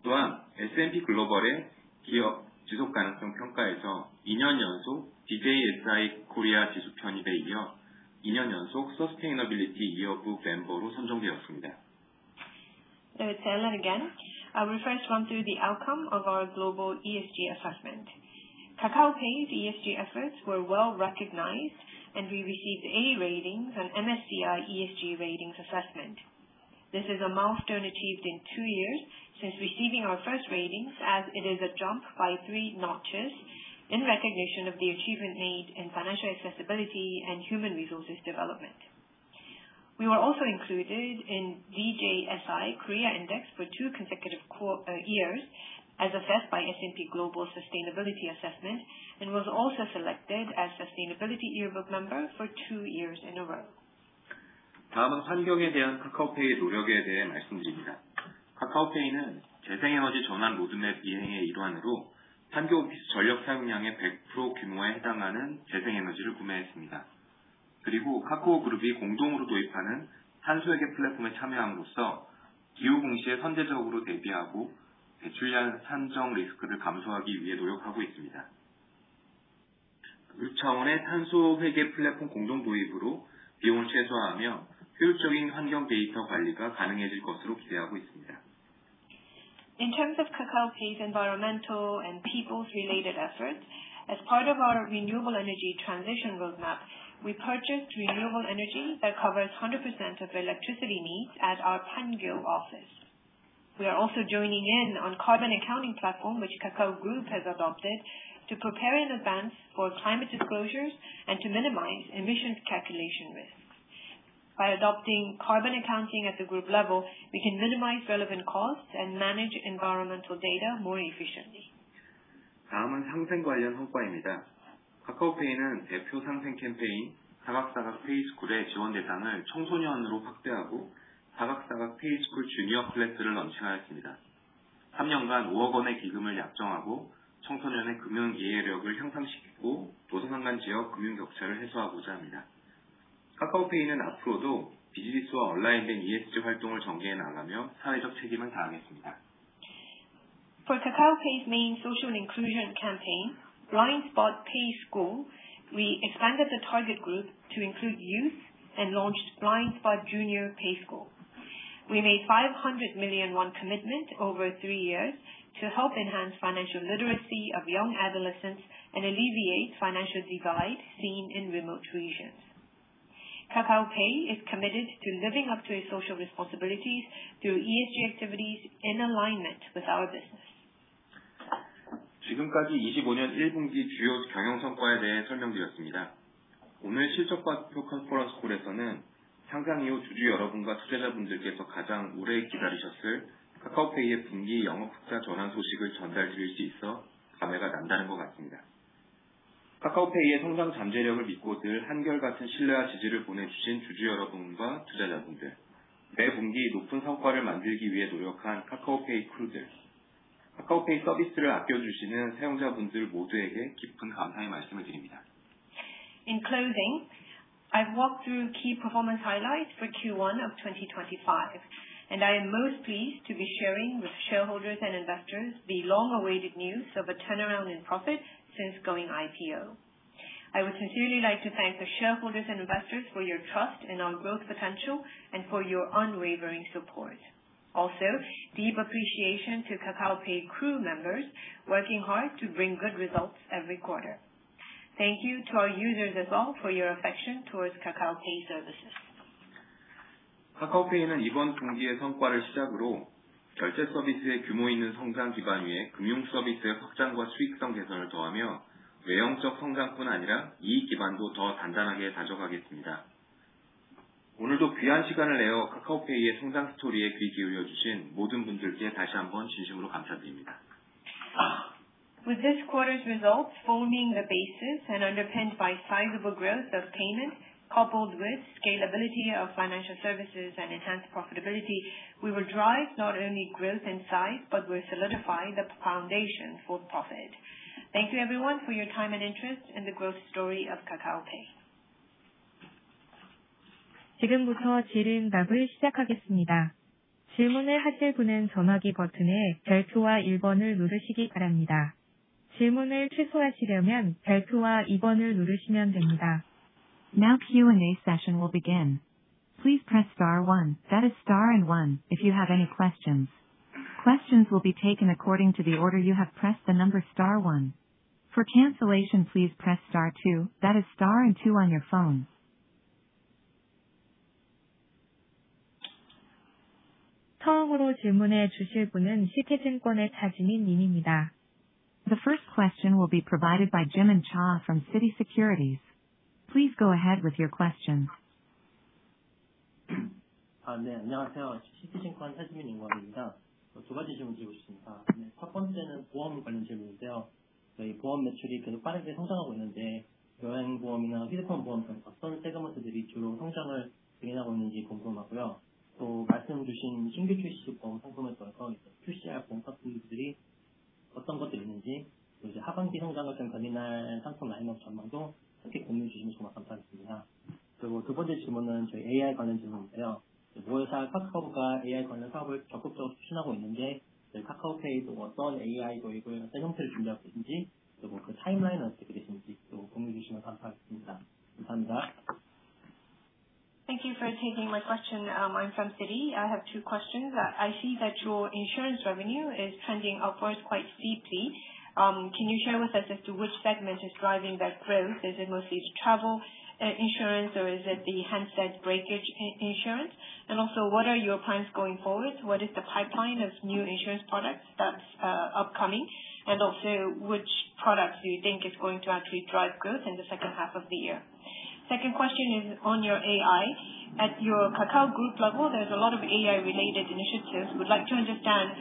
또한 S&P 글로벌의 기업 지속 가능성 평가에서 2년 연속 DJSI 코리아 지수 편입에 이어 2년 연속 Sustainability Yearbook 멤버로 선정되었습니다. It's Allen again. I will first run through the outcome of our global ESG assessment. Kakao Pay's ESG efforts were well recognized, and we received A ratings on MSCI ESG Ratings assessment. This is a milestone achieved in two years since receiving our first ratings, as it is a jump by three notches in recognition of the achievement made in financial accessibility and human resources development. We were also included in DJSI Korea Index for two consecutive years as assessed by S&P Global Sustainability Assessment and was also selected as Sustainability Yearbook member for two years in a row. 다음은 환경에 대한 카카오페이의 노력에 대해 말씀드립니다. 카카오페이는 재생에너지 전환 로드맵 이행의 일환으로 3개 오피스 전력 사용량의 100% 규모에 해당하는 재생에너지를 구매했습니다. 그리고 카카오 그룹이 공동으로 도입하는 탄소 회계 플랫폼에 참여함으로써 기후 공시에 선제적으로 대비하고 배출량 산정 리스크를 감소하기 위해 노력하고 있습니다. 그룹의 탄소 회계 플랫폼 공동 도입으로 비용을 최소화하며 효율적인 환경 데이터 관리가 가능해질 것으로 기대하고 있습니다. In terms of Kakao Pay's environmental and people-related efforts, as part of our renewable energy transition roadmap, we purchased renewable energy that covers 100% of electricity needs at our Pangyo office. We are also joining in on the carbon accounting platform, which Kakao Group has adopted, to prepare in advance for climate disclosures and to minimize emission calculation risks. By adopting carbon accounting at the group level, we can minimize relevant costs and manage environmental data more efficiently. 다음은 상생 관련 성과입니다. 카카오페이는 대표 상생 캠페인 사각사각 페이스쿨의 지원 대상을 청소년으로 확대하고 사각사각 페이스쿨 주니어 클래스를 런칭하였습니다. 3년간 ₩5억의 기금을 약정하고 청소년의 금융 이해력을 향상시키고 도서관 간 지역 금융 격차를 해소하고자 합니다. 카카오페이는 앞으로도 비즈니스와 얼라인된 ESG 활동을 전개해 나가며 사회적 책임을 다하겠습니다. For Kakao Pay's main social inclusion campaign, Blindspot Pay School, we expanded the target group to include youth and launched Blindspot Junior Pay School. We made a ₩500 million commitment over three years to help enhance financial literacy of young adolescents and alleviate financial divide seen in remote regions. Kakao Pay is committed to living up to its social responsibilities through ESG activities in alignment with our business. 지금까지 2025년 1분기 주요 경영 성과에 대해 설명드렸습니다. 오늘 실적 발표 컨퍼런스 콜에서는 상장 이후 주주 여러분과 투자자분들께서 가장 오래 기다리셨을 카카오페이의 분기 영업 흑자 전환 소식을 전달드릴 수 있어 감회가 남다른 것 같습니다. 카카오페이의 성장 잠재력을 믿고 늘 한결같은 신뢰와 지지를 보내주신 주주 여러분과 투자자분들, 매 분기 높은 성과를 만들기 위해 노력한 카카오페이 크루들, 카카오페이 서비스를 아껴주시는 사용자분들 모두에게 깊은 감사의 말씀을 드립니다. In closing, I've walked through key performance highlights for Q1 of 2025, and I am most pleased to be sharing with shareholders and investors the long-awaited news of a turnaround in profit since going IPO. I would sincerely like to thank the shareholders and investors for your trust in our growth potential and for your unwavering support. Also, deep appreciation to Kakao Pay crew members working hard to bring good results every quarter. Thank you to our users as well for your affection towards Kakao Pay services. 카카오페이는 이번 분기의 성과를 시작으로 결제 서비스의 규모 있는 성장 기반 위에 금융 서비스의 확장과 수익성 개선을 더하며 외형적 성장뿐 아니라 이익 기반도 더 단단하게 다져가겠습니다. 오늘도 귀한 시간을 내어 카카오페이의 성장 스토리에 귀 기울여 주신 모든 분들께 다시 한번 진심으로 감사드립니다. With this quarter's results forming the basis and underpinned by sizable growth of payment coupled with scalability of financial services and enhanced profitability, we will drive not only growth in size but will solidify the foundation for profit. Thank you, everyone, for your time and interest in the growth story of Kakao Pay. 지금부터 질의응답을 시작하겠습니다. 질문을 하실 분은 전화기 버튼의 별표와 1번을 누르시기 바랍니다. 질문을 취소하시려면 별표와 2번을 누르시면 됩니다. Now Q&A session will begin. Please press star one, that is star and one, if you have any questions. Questions will be taken according to the order you have pressed the number star one. For cancellation, please press star two, that is star and two on your phone. 처음으로 질문해 주실 분은 시티증권의 차지민 님입니다. The first question will be provided by Jimin Cha from Citi Securities. Please go ahead with your question. 네, 안녕하세요. 시티증권 차지민 임관입니다. 두 가지 질문 드리고 싶습니다. 첫 번째는 보험 관련 질문인데요. 저희 보험 매출이 계속 빠르게 성장하고 있는데, 여행 보험이나 휴대폰 보험 등 어떤 세그먼트들이 주로 성장을 견인하고 있는지 궁금하고요. 또 말씀 주신 신규 출시 보험 상품에 있어서 출시할 보험 상품들이 어떤 것들이 있는지, 또 이제 하반기 성장을 좀 견인할 상품 라인업 전망도 함께 공유해 주시면 정말 감사하겠습니다. 그리고 두 번째 질문은 저희 AI 관련 질문인데요. 모회사 카카오가 AI 관련 사업을 적극적으로 추진하고 있는데, 저희 카카오페이도 어떤 AI 도입을 어떤 형태로 준비하고 계신지, 그리고 그 타임라인은 어떻게 되시는지 또 공유해 주시면 감사하겠습니다. 감사합니다. Thank you for taking my question. I'm from Citi. I have two questions. I see that your insurance revenue is trending upwards quite steeply. Can you share with us as to which segment is driving that growth? Is it mostly the travel insurance, or is it the handset breakage insurance? Also, what are your plans going forward? What is the pipeline of new insurance products that's upcoming? Also, which products do you think are going to actually drive growth in the second half of the year? Second question is on your AI. At your Kakao Group level, there's a lot of AI-related initiatives. We'd like to understand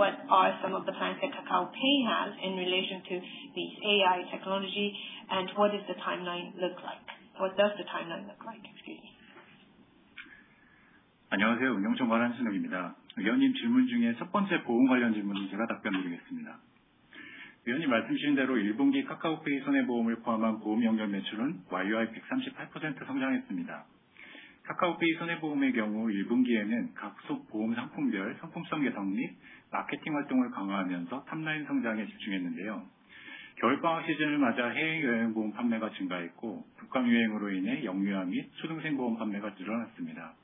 what are some of the plans that Kakao Pay has in relation to this AI technology, and what does the timeline look like? 안녕하세요. 운영 총괄 한신욱입니다. 위원님 질문 중에 첫 번째 보험 관련 질문은 제가 답변드리겠습니다. 위원님 말씀하신 대로 1분기 카카오페이 손해보험을 포함한 보험 연결 매출은 YoY 138% 성장했습니다. 카카오페이 손해보험의 경우 1분기에는 각종 보험 상품별 상품성 개선 및 마케팅 활동을 강화하면서 탑라인 성장에 집중했는데요. 겨울방학 시즌을 맞아 해외 여행 보험 판매가 증가했고, 독감 유행으로 인해 영유아 및 초등생 보험 판매가 늘어났습니다.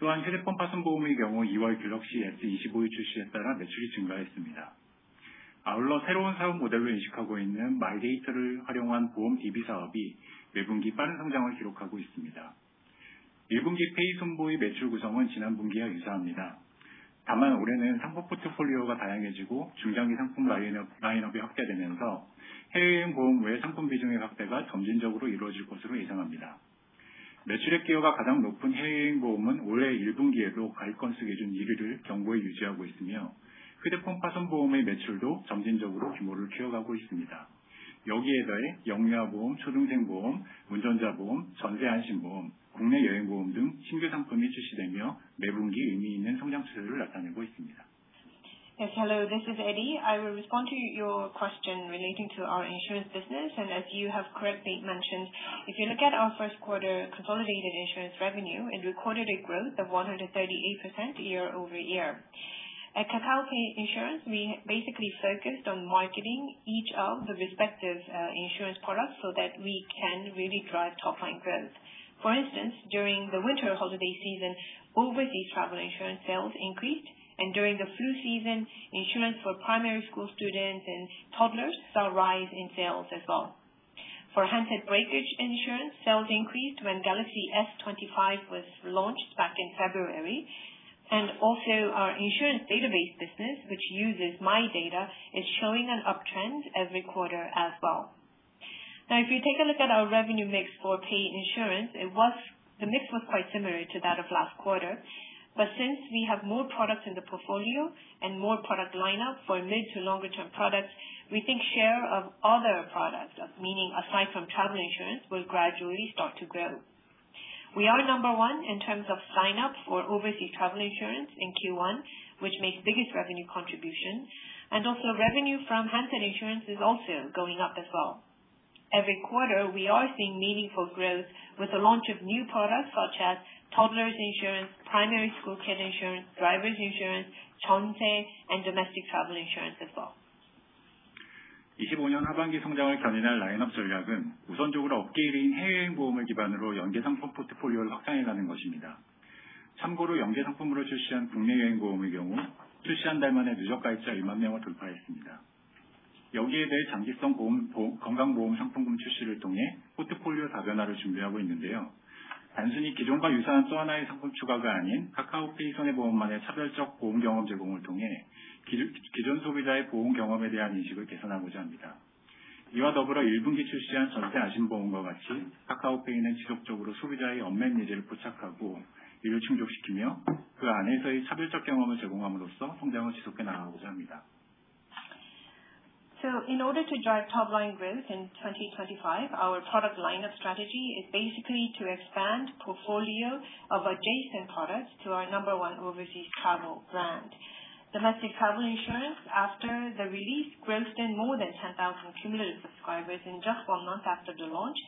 또한 휴대폰 파손 보험의 경우 2월 갤럭시 S25의 출시에 따라 매출이 증가했습니다. 아울러 새로운 사업 모델로 인식하고 있는 마이데이터를 활용한 보험 DB 사업이 매 분기 빠른 성장을 기록하고 있습니다. 1분기 페이 손보의 매출 구성은 지난 분기와 유사합니다. 다만 올해는 상품 포트폴리오가 다양해지고 중장기 상품 라인업이 확대되면서 해외 여행 보험 외 상품 비중의 확대가 점진적으로 이루어질 것으로 예상합니다. 매출액 기여가 가장 높은 해외 여행 보험은 올해 1분기에도 가입 건수 기준 1위를 견고히 유지하고 있으며, 휴대폰 파손 보험의 매출도 점진적으로 규모를 키워가고 있습니다. 여기에 더해 영유아 보험, 초등생 보험, 운전자 보험, 전세 안심 보험, 국내 여행 보험 등 신규 상품이 출시되며 매 분기 의미 있는 성장 추세를 나타내고 있습니다. Yes, hello. This is Eddie. I will respond to your question relating to our insurance business. As you have correctly mentioned, if you look at our first quarter consolidated insurance revenue, it recorded a growth of 138% year over year. At Kakao Pay Insurance, we basically focused on marketing each of the respective insurance products so that we can really drive top-line growth. For instance, during the winter holiday season, overseas travel insurance sales increased, and during the flu season, insurance for primary school students and toddlers saw a rise in sales as well. For handset breakage insurance, sales increased when Galaxy S25 was launched back in February. Also, our insurance database business, which uses MyData, is showing an uptrend every quarter as well. Now, if you take a look at our revenue mix for Pay Insurance, the mix was quite similar to that of last quarter. But since we have more products in the portfolio and more product lineup for mid to longer-term products, we think the share of other products, meaning aside from travel insurance, will gradually start to grow. We are number one in terms of sign-up for overseas travel insurance in Q1, which makes the biggest revenue contribution. Also, revenue from handset insurance is going up as well. Every quarter, we are seeing meaningful growth with the launch of new products such as toddlers insurance, primary school kid insurance, drivers insurance, childcare, and domestic travel insurance as well. 2025년 하반기 성장을 견인할 라인업 전략은 우선적으로 업계 1위인 해외 여행 보험을 기반으로 연계 상품 포트폴리오를 확장해 가는 것입니다. 참고로 연계 상품으로 출시한 국내 여행 보험의 경우 출시 한달 만에 누적 가입자 1만 명을 돌파했습니다. 여기에 더해 장기성 건강 보험 상품군 출시를 통해 포트폴리오 다변화를 준비하고 있는데요. 단순히 기존과 유사한 또 하나의 상품 추가가 아닌 카카오페이 손해보험만의 차별적 보험 경험 제공을 통해 기존 소비자의 보험 경험에 대한 인식을 개선하고자 합니다. 이와 더불어 1분기 출시한 전세 안심 보험과 같이 카카오페이는 지속적으로 소비자의 언맷 니즈를 포착하고 이를 충족시키며 그 안에서의 차별적 경험을 제공함으로써 성장을 지속해 나가고자 합니다. In order to drive top-line growth in 2025, our product lineup strategy is basically to expand the portfolio of adjacent products to our number one overseas travel brand. Domestic travel insurance, after the release, growth in more than 10,000 cumulative subscribers in just one month after the launch.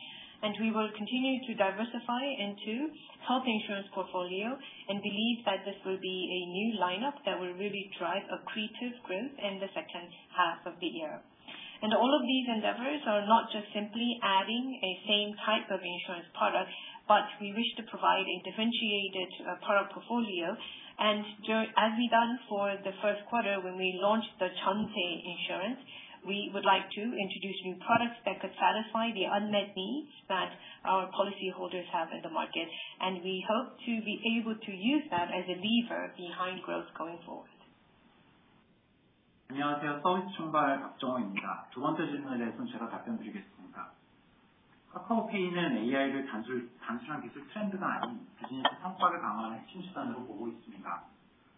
We will continue to diversify into health insurance portfolio and believe that this will be a new lineup that will really drive accretive growth in the second half of the year. All of these endeavors are not just simply adding a same type of insurance product, but we wish to provide a differentiated product portfolio. As we've done for the first quarter when we launched the childcare insurance, we would like to introduce new products that could satisfy the unmet needs that our policyholders have in the market. We hope to be able to use that as a lever behind growth going forward. 안녕하세요. 서비스 총괄 박정호입니다. 두 번째 질문에 대해서는 제가 답변드리겠습니다. 카카오페이는 AI를 단순한 기술 트렌드가 아닌 비즈니스 성과를 강화하는 핵심 수단으로 보고 있습니다.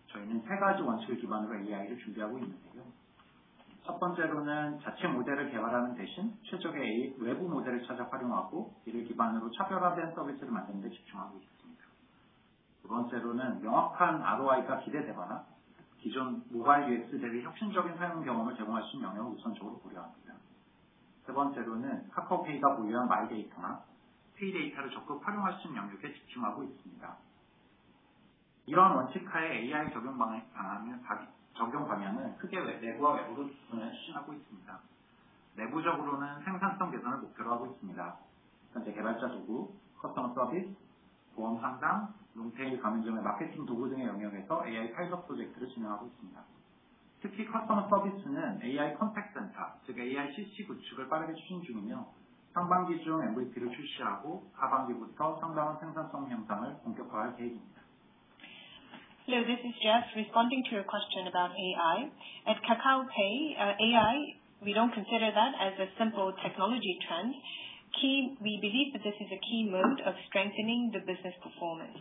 저희는 세 가지 원칙을 기반으로 AI를 준비하고 있는데요. 첫 번째로는 자체 모델을 개발하는 대신 최적의 외부 모델을 찾아 활용하고 이를 기반으로 차별화된 서비스를 만드는 데 집중하고 있습니다. 두 번째로는 명확한 ROI가 기대되거나 기존 모바일 UX 대비 혁신적인 사용 경험을 제공할 수 있는 영역을 우선적으로 고려합니다. 세 번째로는 카카오페이가 보유한 마이데이터나 페이 데이터를 적극 활용할 수 있는 영역에 집중하고 있습니다. 이러한 원칙 하에 AI 적용 방향을 크게 내부와 외부로 두 분야에 추진하고 있습니다. 내부적으로는 생산성 개선을 목표로 하고 있습니다. 현재 개발자 도구, 커스터머 서비스, 보험 상담, 롱테일 가맹점의 마케팅 도구 등의 영역에서 AI 파일럿 프로젝트를 진행하고 있습니다. 특히 커스터머 서비스는 AI 컨택 센터, 즉 AICC 구축을 빠르게 추진 중이며 상반기 중 MVP를 출시하고 하반기부터 상당한 생산성 향상을 본격화할 계획입니다. Hello, this is Jeff responding to your question about AI. At Kakao Pay, we don't consider AI as a simple technology trend. We believe that this is a key mode of strengthening the business performance.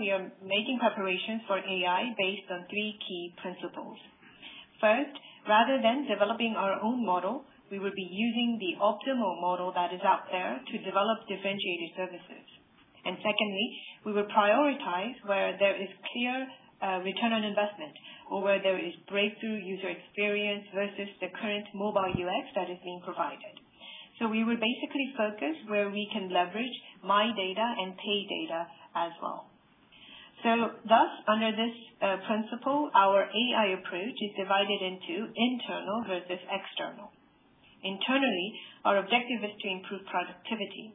We are making preparations for AI based on three key principles. First, rather than developing our own model, we will be using the optimal model that is out there to develop differentiated services. Secondly, we will prioritize where there is clear return on investment or where there is breakthrough user experience versus the current mobile UX that is being provided. We will basically focus where we can leverage MyData and pay data as well. Thus, under this principle, our AI approach is divided into internal versus external. Internally, our objective is to improve productivity.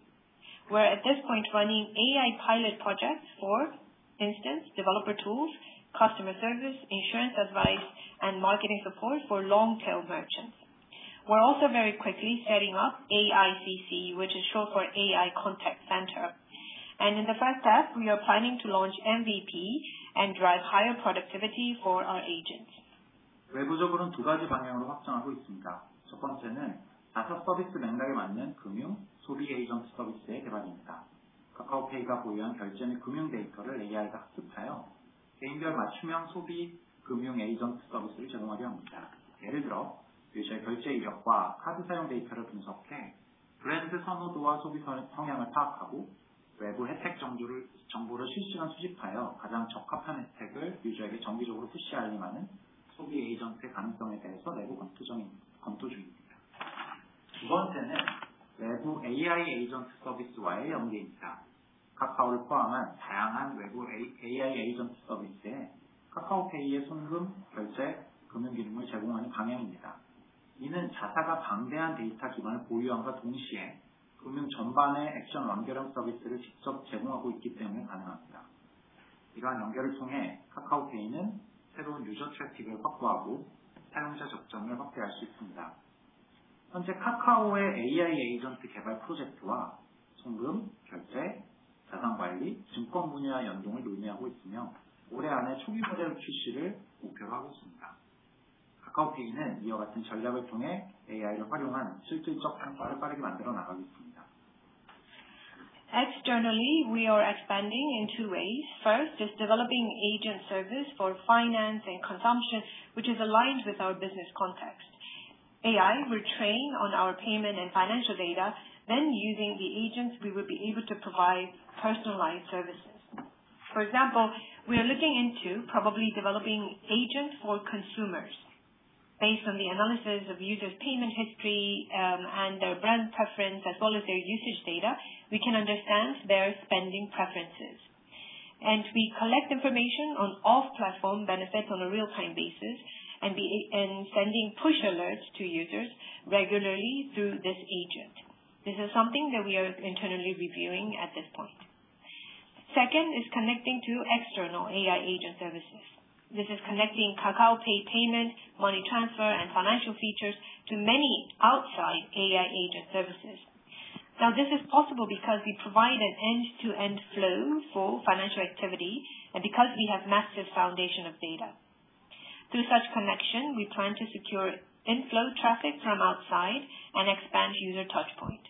We're at this point running AI pilot projects for, for instance, developer tools, customer service, insurance advice, and marketing support for long-tail merchants. We're also very quickly setting up AICC, which is short for AI Contact Center. In the first step, we are planning to launch MVP and drive higher productivity for our agents. 외부적으로는 두 가지 방향으로 확장하고 있습니다. 첫 번째는 자사 서비스 맥락에 맞는 금융 소비 에이전트 서비스의 개발입니다. 카카오페이가 보유한 결제 및 금융 데이터를 AI가 학습하여 개인별 맞춤형 소비 금융 에이전트 서비스를 제공하려 합니다. 예를 들어, 유저의 결제 이력과 카드 사용 데이터를 분석해 브랜드 선호도와 소비 성향을 파악하고 외부 혜택 정보를 실시간 수집하여 가장 적합한 혜택을 유저에게 정기적으로 푸시 알림하는 소비 에이전트의 가능성에 대해서 내부 검토 중입니다. 두 번째는 외부 AI 에이전트 서비스와의 연계입니다. 카카오를 포함한 다양한 외부 AI 에이전트 서비스에 카카오페이의 송금, 결제, 금융 기능을 제공하는 방향입니다. 이는 자사가 방대한 데이터 기반을 보유함과 동시에 금융 전반의 액션 완결형 서비스를 직접 제공하고 있기 때문에 가능합니다. 이러한 연결을 통해 카카오페이는 새로운 유저 트래픽을 확보하고 사용자 접점을 확대할 수 있습니다. 현재 카카오의 AI 에이전트 개발 프로젝트와 송금, 결제, 자산 관리, 증권 분야와 연동을 논의하고 있으며 올해 안에 초기 모델 출시를 목표로 하고 있습니다. 카카오페이는 이와 같은 전략을 통해 AI를 활용한 실질적 성과를 빠르게 만들어 나가겠습니다. Externally, we are expanding in two ways. First is developing agent service for finance and consumption, which is aligned with our business context. AI will train on our payment and financial data. Then, using the agents, we will be able to provide personalized services. For example, we are looking into probably developing agents for consumers. Based on the analysis of users' payment history and their brand preference, as well as their usage data, we can understand their spending preferences. We collect information on off-platform benefits on a real-time basis and send push alerts to users regularly through this agent. This is something that we are internally reviewing at this point. Second is connecting to external AI agent services. This is connecting Kakao Pay payment, money transfer, and financial features to many outside AI agent services. Now, this is possible because we provide an end-to-end flow for financial activity and because we have a massive foundation of data. Through such connection, we plan to secure inflow traffic from outside and expand user touchpoint.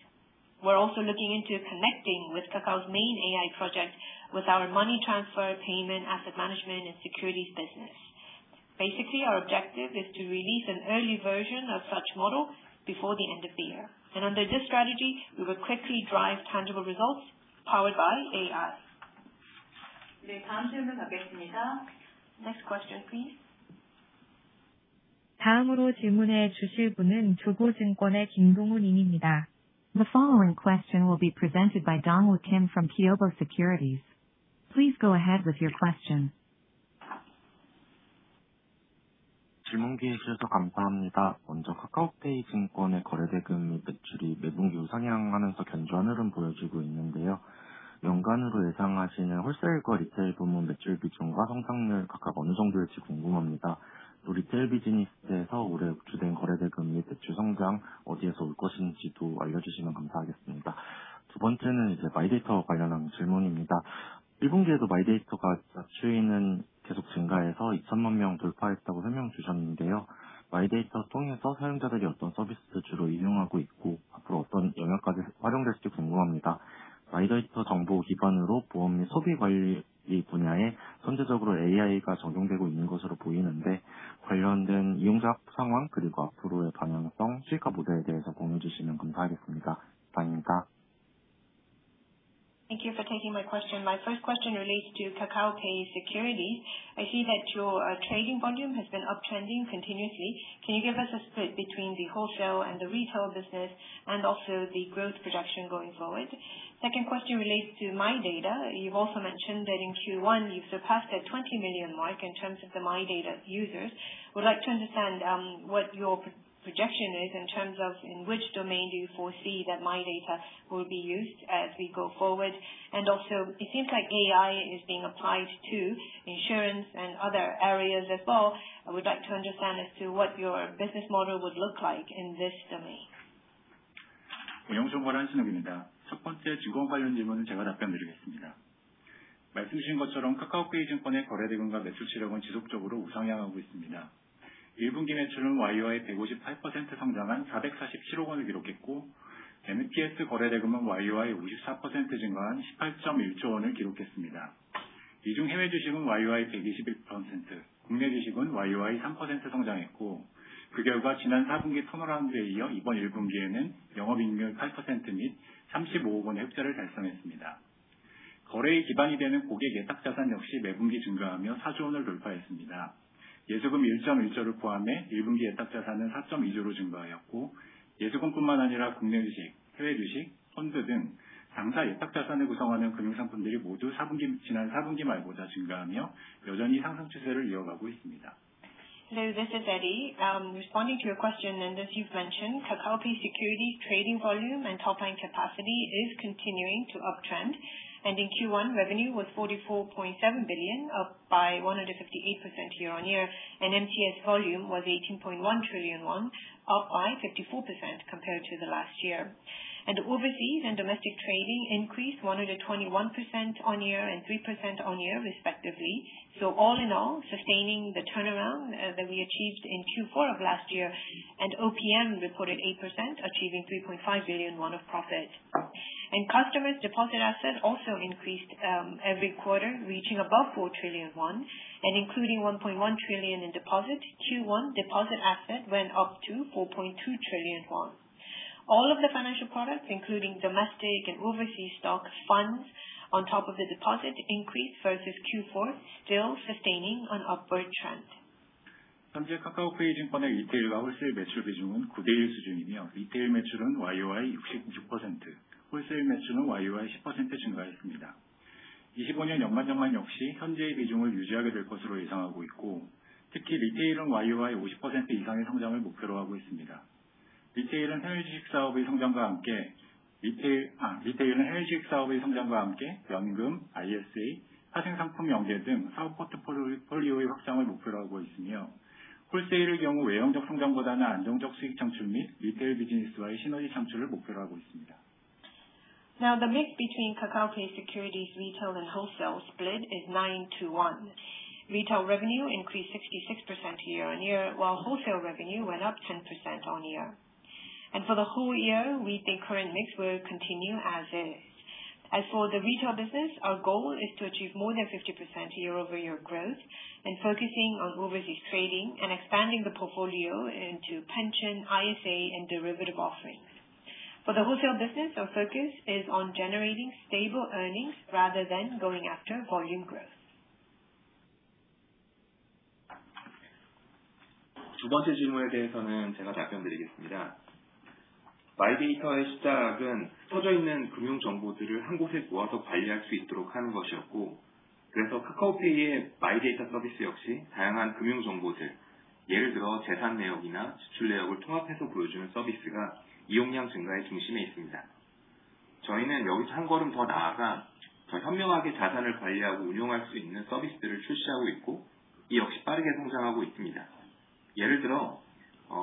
We're also looking into connecting with Kakao's main AI project with our money transfer, payment, asset management, and securities business. Basically, our objective is to release an early version of such model before the end of the year. Under this strategy, we will quickly drive tangible results powered by AI. 네, 다음 질문 받겠습니다. Next question, please. 다음으로 질문해 주실 분은 교보증권의 김동훈 님입니다. The following question will be presented by Dong-hoon Kim from Kyobo Securities. Please go ahead with your question. 질문 기회 주셔서 감사합니다. 먼저 카카오페이 증권의 거래 대금 및 매출이 매 분기 우상향하면서 견조한 흐름을 보여주고 있는데요. 연간으로 예상하시는 홀세일과 리테일 부문 매출 비중과 성장률이 각각 어느 정도일지 궁금합니다. 또 리테일 비즈니스에서 올해 예상되는 거래 대금 및 매출 성장은 어디에서 올 것인지도 알려주시면 감사하겠습니다. 두 번째는 마이데이터와 관련한 질문입니다. 1분기에도 마이데이터 가입자는 계속 증가해서 2천만 명을 돌파했다고 설명해 주셨는데요. 마이데이터를 통해서 사용자들이 어떤 서비스를 주로 이용하고 있고 앞으로 어떤 영역까지 활용될지 궁금합니다. 마이데이터 정보 기반으로 보험 및 소비 관리 분야에 선제적으로 AI가 적용되고 있는 것으로 보이는데, 관련된 이용자 현황 그리고 앞으로의 방향성, 수익화 모델에 대해서 공유해 주시면 감사하겠습니다. 감사합니다. Thank you for taking my question. My first question relates to Kakao Pay Securities. I see that your trading volume has been uptrending continuously. Can you give us a split between the wholesale and the retail business and also the growth projection going forward? Second question relates to MyData. You've also mentioned that in Q1 you've surpassed the 20 million mark in terms of the MyData users. We'd like to understand what your projection is in terms of in which domain do you foresee that MyData will be used as we go forward? Also, it seems like AI is being applied to insurance and other areas as well. I would like to understand what your business model would look like in this domain. 고용 정보란 신욱입니다. 첫 번째, 증권 관련 질문은 제가 답변드리겠습니다. 말씀 주신 것처럼 카카오페이 증권의 거래 대금과 매출 실적은 지속적으로 우상향하고 있습니다. 1분기 매출은 전년 동기 대비 158% 성장한 ₩447억을 기록했고, MTS 거래 대금은 전년 동기 대비 54% 증가한 ₩18.1조를 기록했습니다. 이중 해외 주식은 전년 동기 대비 121%, 국내 주식은 전년 동기 대비 3% 성장했고, 그 결과 지난 4분기 턴어라운드에 이어 이번 1분기에는 영업 이익률 8% 및 ₩35억의 흑자를 달성했습니다. 거래의 기반이 되는 고객 예탁 자산 역시 매 분기 증가하며 ₩4조를 돌파했습니다. 예수금 ₩1.1조를 포함해 1분기 예탁 자산은 ₩4.2조로 증가하였고, 예수금뿐만 아니라 국내 주식, 해외 주식, 펀드 등 장기 예탁 자산을 구성하는 금융 상품들이 모두 지난 4분기 말보다 증가하며 여전히 상승 추세를 이어가고 있습니다. Hello, this is Eddie. Responding to your question, as you've mentioned, Kakao Pay Securities' trading volume and top-line capacity is continuing to uptrend. In Q1, revenue was ₩44.7 billion, up by 158% year on year, and MTS volume was ₩18.1 trillion, up by 54% compared to last year. Overseas and domestic trading increased 121% year on year and 3% year on year, respectively. All in all, sustaining the turnaround that we achieved in Q4 of last year, and OPM reported 8%, achieving ₩3.5 billion of profit. Customers' deposit asset also increased every quarter, reaching above ₩4 trillion, and including ₩1.1 trillion in deposit, Q1 deposit asset went up to ₩4.2 trillion. All of the financial products, including domestic and overseas stock funds on top of the deposit, increased versus Q4, still sustaining an upward trend. 현재 카카오페이 증권의 리테일과 홀세일 매출 비중은 9대 1 수준이며, 리테일 매출은 전년 대비 66%, 홀세일 매출은 전년 대비 10% 증가했습니다. 2025년 연간 전망 역시 현재의 비중을 유지하게 될 것으로 예상하고 있고, 특히 리테일은 전년 대비 50% 이상의 성장을 목표로 하고 있습니다. 리테일은 해외 주식 사업의 성장과 함께 연금, ISA, 파생 상품 연계 등 사업 포트폴리오의 확장을 목표로 하고 있으며, 홀세일의 경우 외형적 성장보다는 안정적 수익 창출 및 리테일 비즈니스와의 시너지 창출을 목표로 하고 있습니다. Now, the mix between Kakao Pay Securities' retail and wholesale split is 9 to 1. Retail revenue increased 66% year-over-year, while wholesale revenue went up 10% year-over-year. For the whole year, we think current mix will continue as is. As for the retail business, our goal is to achieve more than 50% year-over-year growth and focusing on overseas trading and expanding the portfolio into pension, ISA, and derivative offerings. For the wholesale business, our focus is on generating stable earnings rather than going after volume growth. 두 번째 질문에 대해서는 제가 답변드리겠습니다. 마이데이터의 시작은 흩어져 있는 금융 정보들을 한곳에 모아서 관리할 수 있도록 하는 것이었고, 그래서 카카오페이의 마이데이터 서비스 역시 다양한 금융 정보들, 예를 들어 재산 내역이나 지출 내역을 통합해서 보여주는 서비스가 이용량 증가의 중심에 있습니다. 저희는 여기서 한 걸음 더 나아가 더 현명하게 자산을 관리하고 운용할 수 있는 서비스들을 출시하고 있고, 이 역시 빠르게 성장하고 있습니다. 예를 들어,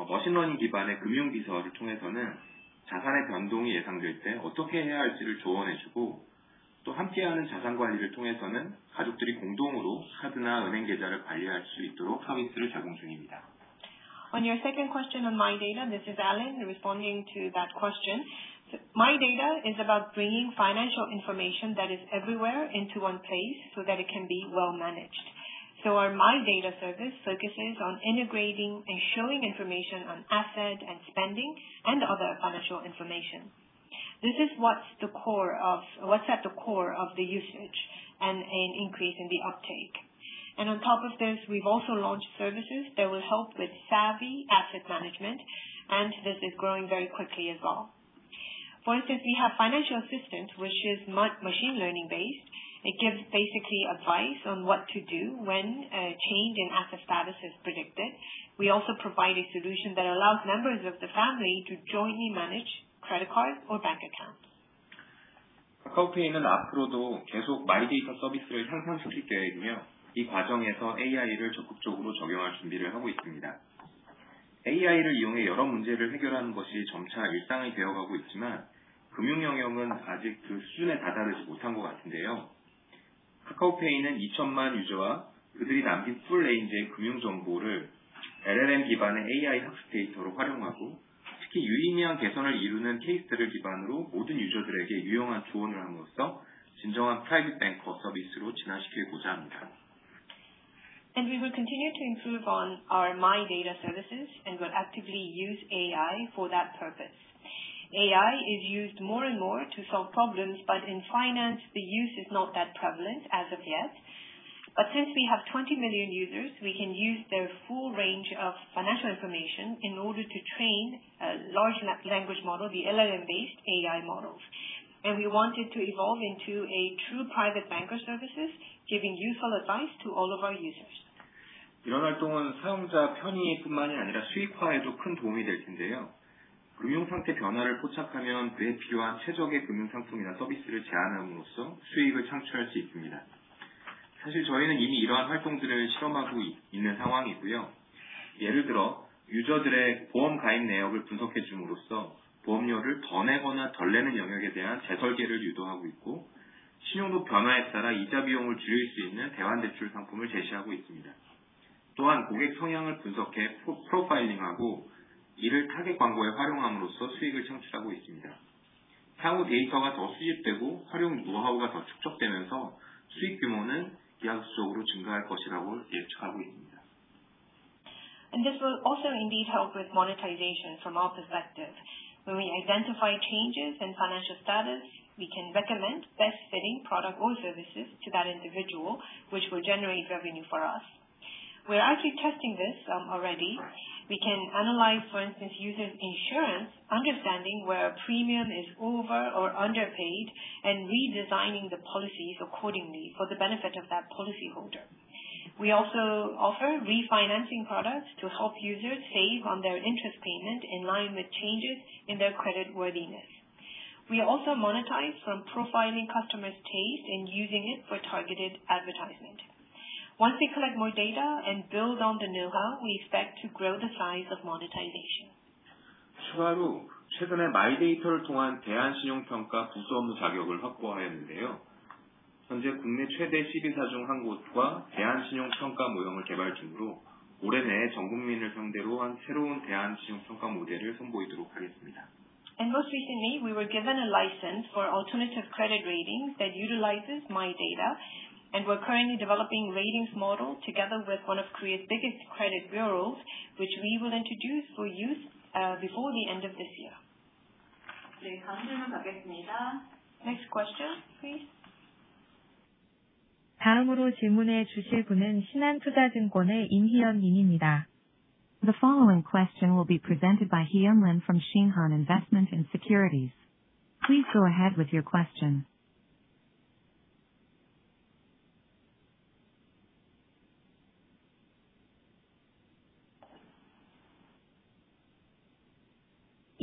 머신러닝 기반의 금융 비서를 통해서는 자산의 변동이 예상될 때 어떻게 해야 할지를 조언해 주고, 또 함께하는 자산 관리를 통해서는 가족들이 공동으로 카드나 은행 계좌를 관리할 수 있도록 서비스를 제공 중입니다. On your second question on MyData, this is Allen responding to that question. MyData is about bringing financial information that is everywhere into one place so that it can be well managed. So our MyData service focuses on integrating and showing information on asset and spending and other financial information. This is what's at the core of the usage and an increase in the uptake. On top of this, we've also launched services that will help with savvy asset management, and this is growing very quickly as well. For instance, we have financial assistance, which is machine learning-based. It gives basically advice on what to do when a change in asset status is predicted. We also provide a solution that allows members of the family to jointly manage credit cards or bank accounts. 카카오페이는 앞으로도 계속 마이데이터 서비스를 향상시킬 계획이며, 이 과정에서 AI를 적극적으로 적용할 준비를 하고 있습니다. AI를 이용해 여러 문제를 해결하는 것이 점차 일상이 되어가고 있지만, 금융 영역은 아직 그 수준에 다다르지 못한 것 같은데요. 카카오페이는 2천만 유저와 그들이 남긴 풀 레인지의 금융 정보를 LLM 기반의 AI 학습 데이터로 활용하고, 특히 유의미한 개선을 이루는 케이스들을 기반으로 모든 유저들에게 유용한 조언을 함으로써 진정한 프라이빗 뱅커 서비스로 진화시키고자 합니다. We will continue to improve on our data services, and we'll actively use AI for that purpose. AI is used more and more to solve problems, but in finance, the use is not that prevalent as of yet. Since we have 20 million users, we can use their full range of financial information in order to train a large language model, the LLM-based AI models. We want it to evolve into a true private banker service, giving useful advice to all of our users. 이런 활동은 사용자 편의뿐만 아니라 수익화에도 큰 도움이 될 텐데요. 금융 상태 변화를 포착하면 그에 필요한 최적의 금융 상품이나 서비스를 제안함으로써 수익을 창출할 수 있습니다. 사실 저희는 이미 이러한 활동들을 실험하고 있는 상황이고요. 예를 들어, 유저들의 보험 가입 내역을 분석해 줌으로써 보험료를 더 내거나 덜 내는 영역에 대한 재설계를 유도하고 있고, 신용도 변화에 따라 이자 비용을 줄일 수 있는 대환 대출 상품을 제시하고 있습니다. 또한 고객 성향을 분석해 프로파일링하고, 이를 타겟 광고에 활용함으로써 수익을 창출하고 있습니다. 향후 데이터가 더 수집되고 활용 노하우가 더 축적되면서 수익 규모는 비약적으로 증가할 것이라고 예측하고 있습니다. This will also indeed help with monetization from our perspective. When we identify changes in financial status, we can recommend best-fitting products or services to that individual, which will generate revenue for us. We're actually testing this already. We can analyze, for instance, users' insurance, understanding where a premium is over or underpaid, and redesigning the policies accordingly for the benefit of that policyholder. We also offer refinancing products to help users save on their interest payments in line with changes in their creditworthiness. We also monetize from profiling customers' taste and using it for targeted advertisement. Once we collect more data and build on the know-how, we expect to grow the size of monetization. 추가로 최근에 마이데이터를 통한 대안 신용 평가 부수 업무 자격을 확보하였는데요. 현재 국내 최대 CB사 중한 곳과 대안 신용 평가 모형을 개발 중으로, 올해 내에 전 국민을 상대로 한 새로운 대안 신용 평가 모델을 선보이도록 하겠습니다. And most recently, we were given a license for alternative credit ratings that utilizes MyData, and we're currently developing a ratings model together with one of Korea's biggest credit bureaus, which we will introduce for use before the end of this year. 네, 다음 질문 받겠습니다. Next question, please. 다음으로 질문해 주실 분은 신한투자증권의 임희연 님입니다. The following question will be presented by Hee-Yeon Lim from Shinhan Investment & Securities. Please go ahead with your question.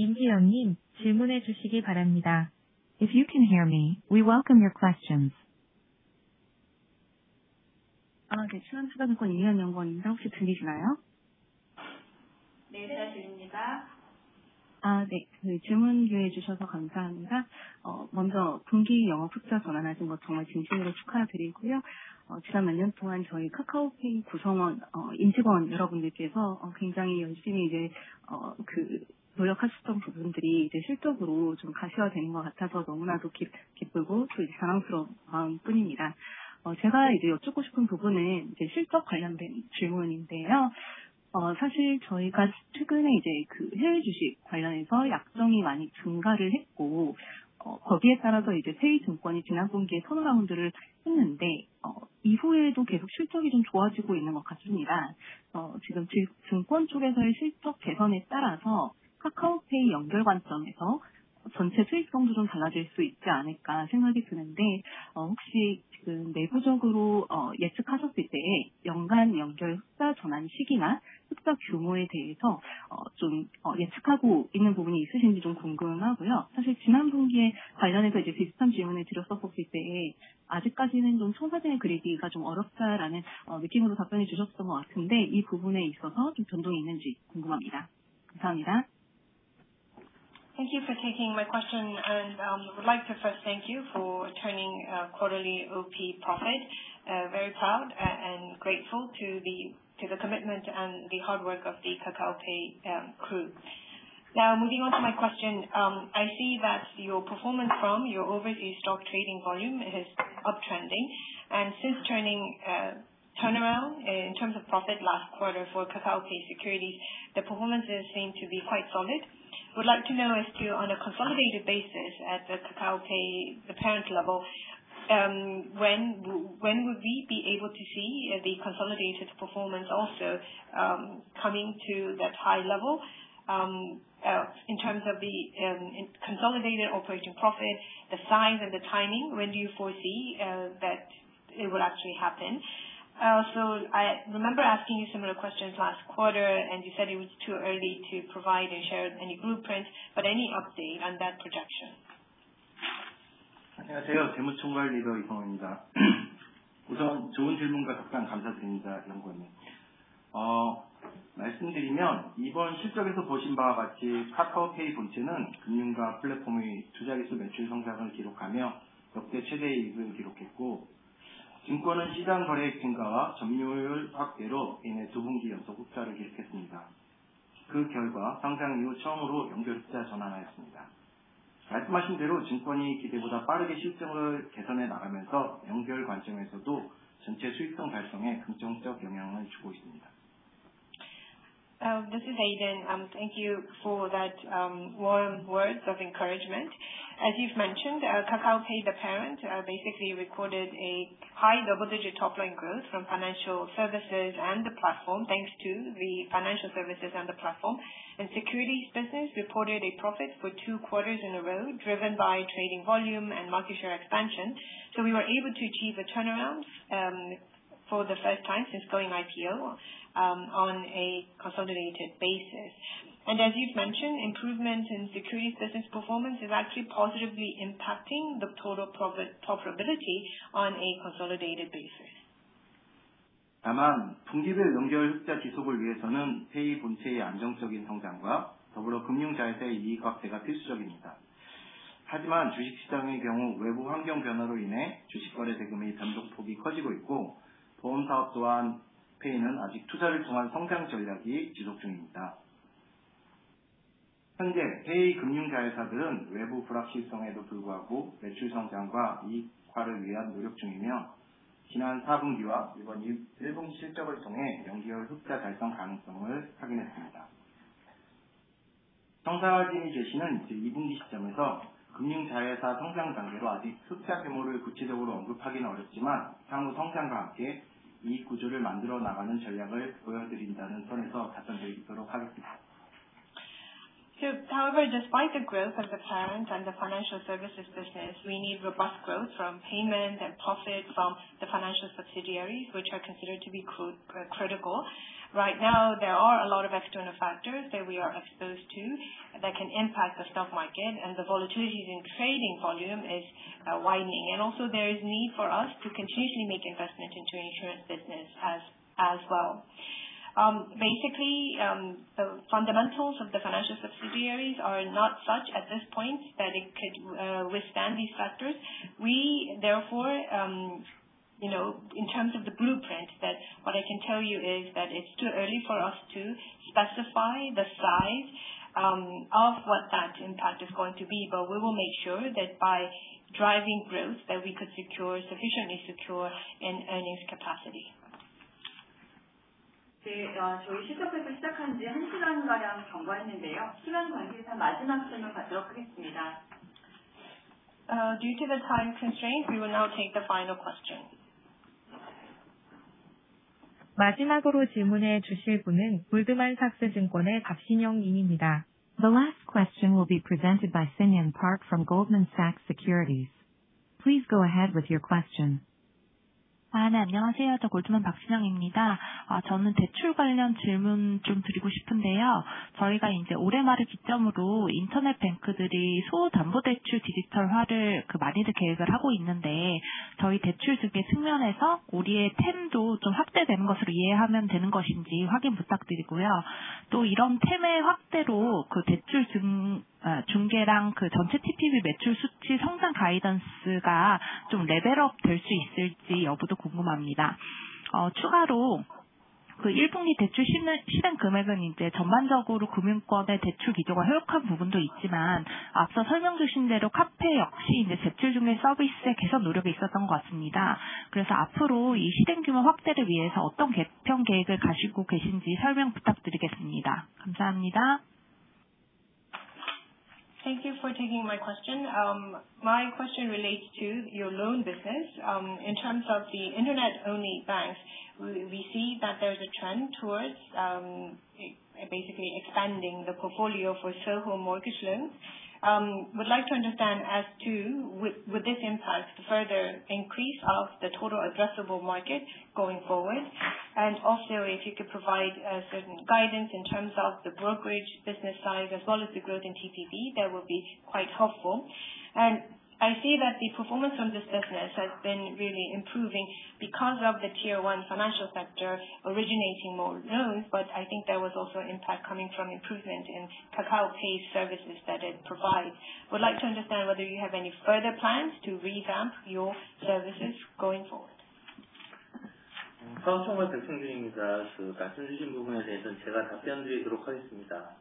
임희연 님, 질문해 주시기 바랍니다. If you can hear me, we welcome your questions. 네, 신한투자증권 임희연 연구원입니다. 혹시 들리시나요? 네, 잘 들립니다. 네, 질문 기회 주셔서 감사합니다. 먼저 분기 영업 흑자 전환하신 것 정말 진심으로 축하드리고요. 지난 몇년 동안 저희 카카오페이 구성원, 임직원 여러분들께서 굉장히 열심히 노력하셨던 부분들이 실적으로 가시화되는 것 같아서 너무나도 기쁘고 또 자랑스러운 마음뿐입니다. 제가 여쭙고 싶은 부분은 실적 관련된 질문인데요. 사실 저희가 최근에 해외 주식 관련해서 약정이 많이 증가했고, 거기에 따라서 페이 증권이 지난 분기에 턴어라운드를 했는데, 이후에도 계속 실적이 좋아지고 있는 것 같습니다. 지금 증권 쪽에서의 실적 개선에 따라서 카카오페이 연결 관점에서 전체 수익성도 달라질 수 있지 않을까 생각이 드는데, 혹시 지금 내부적으로 예측하셨을 때 연간 연결 흑자 전환 시기나 흑자 규모에 대해서 예측하고 있는 부분이 있으신지 궁금하고요. 사실 지난 분기에 관련해서 비슷한 질문을 드렸었을 때 아직까지는 청사진을 그리기가 어렵다라는 느낌으로 답변을 주셨던 것 같은데, 이 부분에 있어서 변동이 있는지 궁금합니다. 감사합니다. Thank you for taking my question, and I would like to first thank you for turning quarterly operating profit. Very proud and grateful to the commitment and the hard work of the Kakao Pay crew. Now, moving on to my question, I see that your performance from your overseas stock trading volume is uptrending, and since turning turnaround in terms of profit last quarter for Kakao Pay Securities, the performances seem to be quite solid. Would like to know as to, on a consolidated basis at the Kakao Pay parent level, when would we be able to see the consolidated performance also coming to that high level in terms of the consolidated operating profit, the size, and the timing? When do you foresee that it will actually happen? I remember asking you similar questions last quarter, and you said it was too early to provide and share any blueprint, but any update on that projection? 안녕하세요. 재무총괄리더 이성호입니다. 우선 좋은 질문과 답변 감사드립니다, 연구원님. 말씀드리면 이번 실적에서 보신 바와 같이 카카오페이 본체는 금융과 플랫폼의 투자 기술 매출 성장을 기록하며 역대 최대 이익을 기록했고, 증권은 시장 거래액 증가와 점유율 확대로 이내 두 분기 연속 흑자를 기록했습니다. 그 결과 상장 이후 처음으로 연결 흑자 전환하였습니다. 말씀하신 대로 증권이 기대보다 빠르게 실적을 개선해 나가면서 연결 관점에서도 전체 수익성 달성에 긍정적 영향을 주고 있습니다. This is Aiden. Thank you for those warm words of encouragement. As you've mentioned, Kakao Pay, the parent, basically recorded a high double-digit top-line growth from financial services and the platform thanks to the financial services and the platform, and securities business reported a profit for two quarters in a row driven by trading volume and market share expansion. So we were able to achieve a turnaround for the first time since going IPO on a consolidated basis. As you've mentioned, improvement in securities business performance is actually positively impacting the total profitability on a consolidated basis. 다만 분기별 연결 흑자 지속을 위해서는 페이 본체의 안정적인 성장과 더불어 금융 자회사의 이익 확대가 필수적입니다. 하지만 주식 시장의 경우 외부 환경 변화로 인해 주식 거래 대금의 변동 폭이 커지고 있고, 보험 사업 또한 페이는 아직 투자를 통한 성장 전략이 지속 중입니다. 현재 페이 금융 자회사들은 외부 불확실성에도 불구하고 매출 성장과 이익화를 위한 노력 중이며, 지난 4분기와 이번 1분기 실적을 통해 연결 흑자 달성 가능성을 확인했습니다. 청사진 제시는 제2분기 시점에서 금융 자회사 성장 단계로 아직 흑자 규모를 구체적으로 언급하기는 어렵지만, 향후 성장과 함께 이익 구조를 만들어 나가는 전략을 보여드린다는 선에서 답변드리도록 하겠습니다. However, despite the growth of the parent and the financial services business, we need robust growth from payment and profit from the financial subsidiaries, which are considered to be critical. Right now, there are a lot of external factors that we are exposed to that can impact the stock market, and the volatilities in trading volume are widening. Also, there is a need for us to continuously make investments into the insurance business as well. Basically, the fundamentals of the financial subsidiaries are not such at this point that it could withstand these factors. We, therefore, in terms of the blueprint, what I can tell you is that it's too early for us to specify the size of what that impact is going to be, but we will make sure that by driving growth that we could secure sufficiently secure earnings capacity. 저희 실적 발표 시작한 지 1시간가량 경과했는데요. 시간 관계상 마지막 질문 받도록 하겠습니다. Due to the time constraints, we will now take the final question. 마지막으로 질문해 주실 분은 골드만삭스 증권의 박신영 님입니다. The last question will be presented by Shin-young Park from Goldman Sachs Securities. Please go ahead with your question. 네, 안녕하세요. 저 골드만삭스 박신영입니다. 저는 대출 관련 질문 좀 드리고 싶은데요. 저희가 이제 올해 말을 기점으로 인터넷 은행들이 소액 담보 대출 디지털화를 많이들 계획을 하고 있는데, 저희 대출 중개 측면에서 우리의 TAM도 좀 확대되는 것으로 이해하면 되는 것인지 확인 부탁드리고요. 또 이런 TAM의 확대로 대출 중개랑 전체 TPV 매출 수치 성장 가이던스가 좀 레벨업될 수 있을지 여부도 궁금합니다. 추가로 1분기 대출 실행 금액은 이제 전반적으로 금융권의 대출 기조가 보수적인 부분도 있지만, 앞서 설명 주신 대로 카카오페이 역시 이제 대출 중개 서비스의 개선 노력이 있었던 것 같습니다. 그래서 앞으로 이 실행 규모 확대를 위해서 어떤 개편 계획을 가지고 계신지 설명 부탁드리겠습니다. 감사합니다. Thank you for taking my question. My question relates to your loan business. In terms of the internet-only banks, we see that there is a trend towards basically expanding the portfolio for so-called mortgage loans. I would like to understand, with this impact, the further increase of the total addressable market going forward. Also, if you could provide certain guidance in terms of the brokerage business size as well as the growth in TPV, that would be quite helpful. I see that the performance from this business has been really improving because of the tier one financial sector originating more loans, but I think there was also an impact coming from improvement in Kakao Pay services that it provides. I would like to understand whether you have any further plans to revamp your services going forward. 사업자 마케팅 중개자로서 말씀해 주신 부분에 대해서는 제가 답변드리도록 하겠습니다.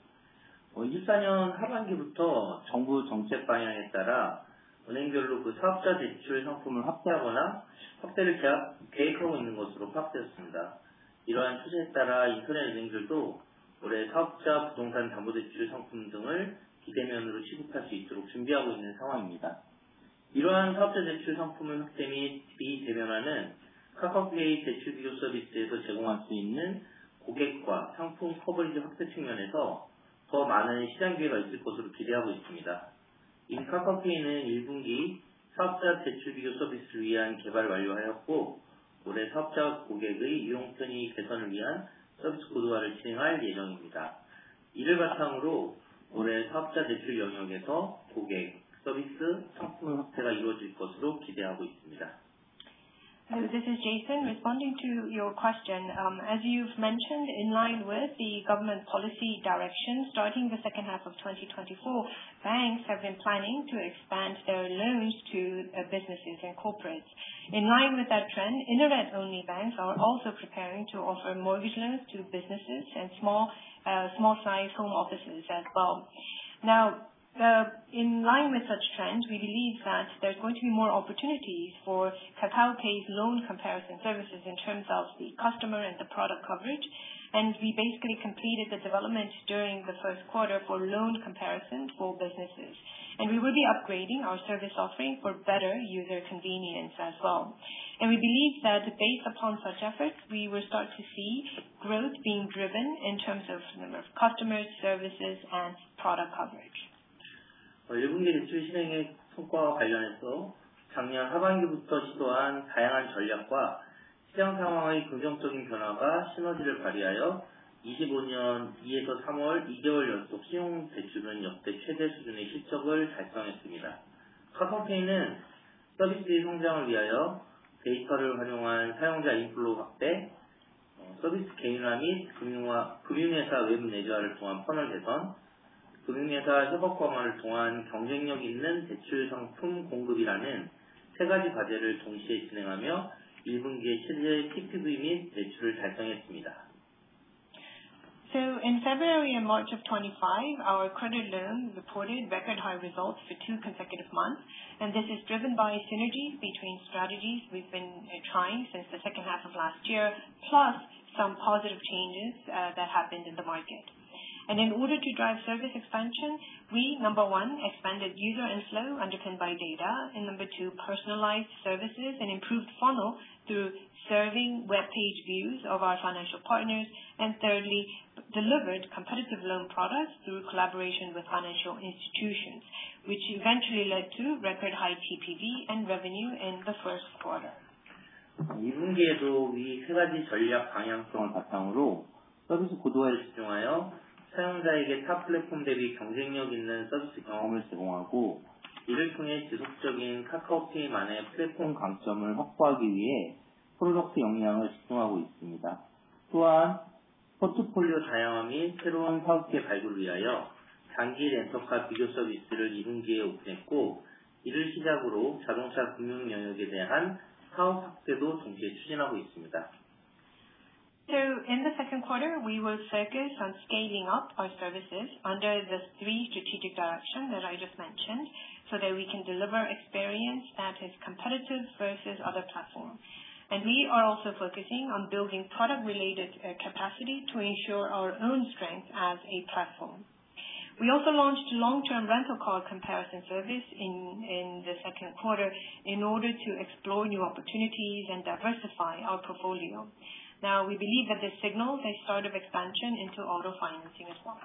2024년 하반기부터 정부 정책 방향에 따라 은행별로 사업자 대출 상품을 확대하거나 확대를 계획하고 있는 것으로 파악되었습니다. 이러한 추세에 따라 인터넷 은행들도 올해 사업자 부동산 담보 대출 상품 등을 비대면으로 취급할 수 있도록 준비하고 있는 상황입니다. 이러한 사업자 대출 상품의 확대 및 비대면화는 카카오페이 대출 비교 서비스에서 제공할 수 있는 고객과 상품 커버리지 확대 측면에서 더 많은 시장 기회가 있을 것으로 기대하고 있습니다. 이미 카카오페이는 1분기 사업자 대출 비교 서비스를 위한 개발 완료하였고, 올해 사업자 고객의 이용 편의 개선을 위한 서비스 고도화를 진행할 예정입니다. 이를 바탕으로 올해 사업자 대출 영역에서 고객, 서비스, 상품의 확대가 이루어질 것으로 기대하고 있습니다. This is Jason, responding to your question. As you've mentioned, in line with the government policy direction, starting the second half of 2024, banks have been planning to expand their loans to businesses and corporates. In line with that trend, internet-only banks are also preparing to offer mortgage loans to businesses and small-sized home offices as well. In line with such trends, we believe that there's going to be more opportunities for Kakao Pay's loan comparison services in terms of the customer and the product coverage. We basically completed the development during the first quarter for loan comparisons for businesses. We will be upgrading our service offering for better user convenience as well. We believe that based upon such efforts, we will start to see growth being driven in terms of the number of customers, services, and product coverage. 1분기 대출 실행의 성과와 관련해서 작년 하반기부터 시도한 다양한 전략과 시장 상황의 긍정적인 변화가 시너지를 발휘하여 2025년 2~3월 2개월 연속 신용 대출은 역대 최대 수준의 실적을 달성했습니다. 카카오페이는 서비스의 성장을 위하여 데이터를 활용한 사용자 인플로 확대, 서비스 개인화 및 금융회사 웹 내재화를 통한 퍼널 개선, 금융회사 협업 강화를 통한 경쟁력 있는 대출 상품 공급이라는 세 가지 과제를 동시에 진행하며 1분기에 실질 TPV 및 매출을 달성했습니다. In February and March of 2025, our credit loans reported record high results for two consecutive months, and this is driven by synergies between strategies we've been trying since the second half of last year, plus some positive changes that happened in the market. In order to drive service expansion, we, number one, expanded user inflow underpinned by data, and number two, personalized services and improved funnel through serving web page views of our financial partners, and thirdly, delivered competitive loan products through collaboration with financial institutions, which eventually led to record high TPV and revenue in the first quarter. 2분기에도 위세 가지 전략 방향성을 바탕으로 서비스 고도화에 집중하여 사용자에게 타 플랫폼 대비 경쟁력 있는 서비스 경험을 제공하고, 이를 통해 지속적인 카카오페이만의 플랫폼 강점을 확보하기 위해 프로덕트 역량을 집중하고 있습니다. 또한 포트폴리오 다양화 및 새로운 사업체 발굴을 위하여 장기 렌터카 비교 서비스를 2분기에 오픈했고, 이를 시작으로 자동차 금융 영역에 대한 사업 확대도 동시에 추진하고 있습니다. In the second quarter, we will focus on scaling up our services under the three strategic directions that I just mentioned so that we can deliver experience that is competitive versus other platforms. We are also focusing on building product-related capacity to ensure our own strength as a platform. We also launched a long-term rental car comparison service in the second quarter in order to explore new opportunities and diversify our portfolio. We believe that this signals a start of expansion into auto financing as well.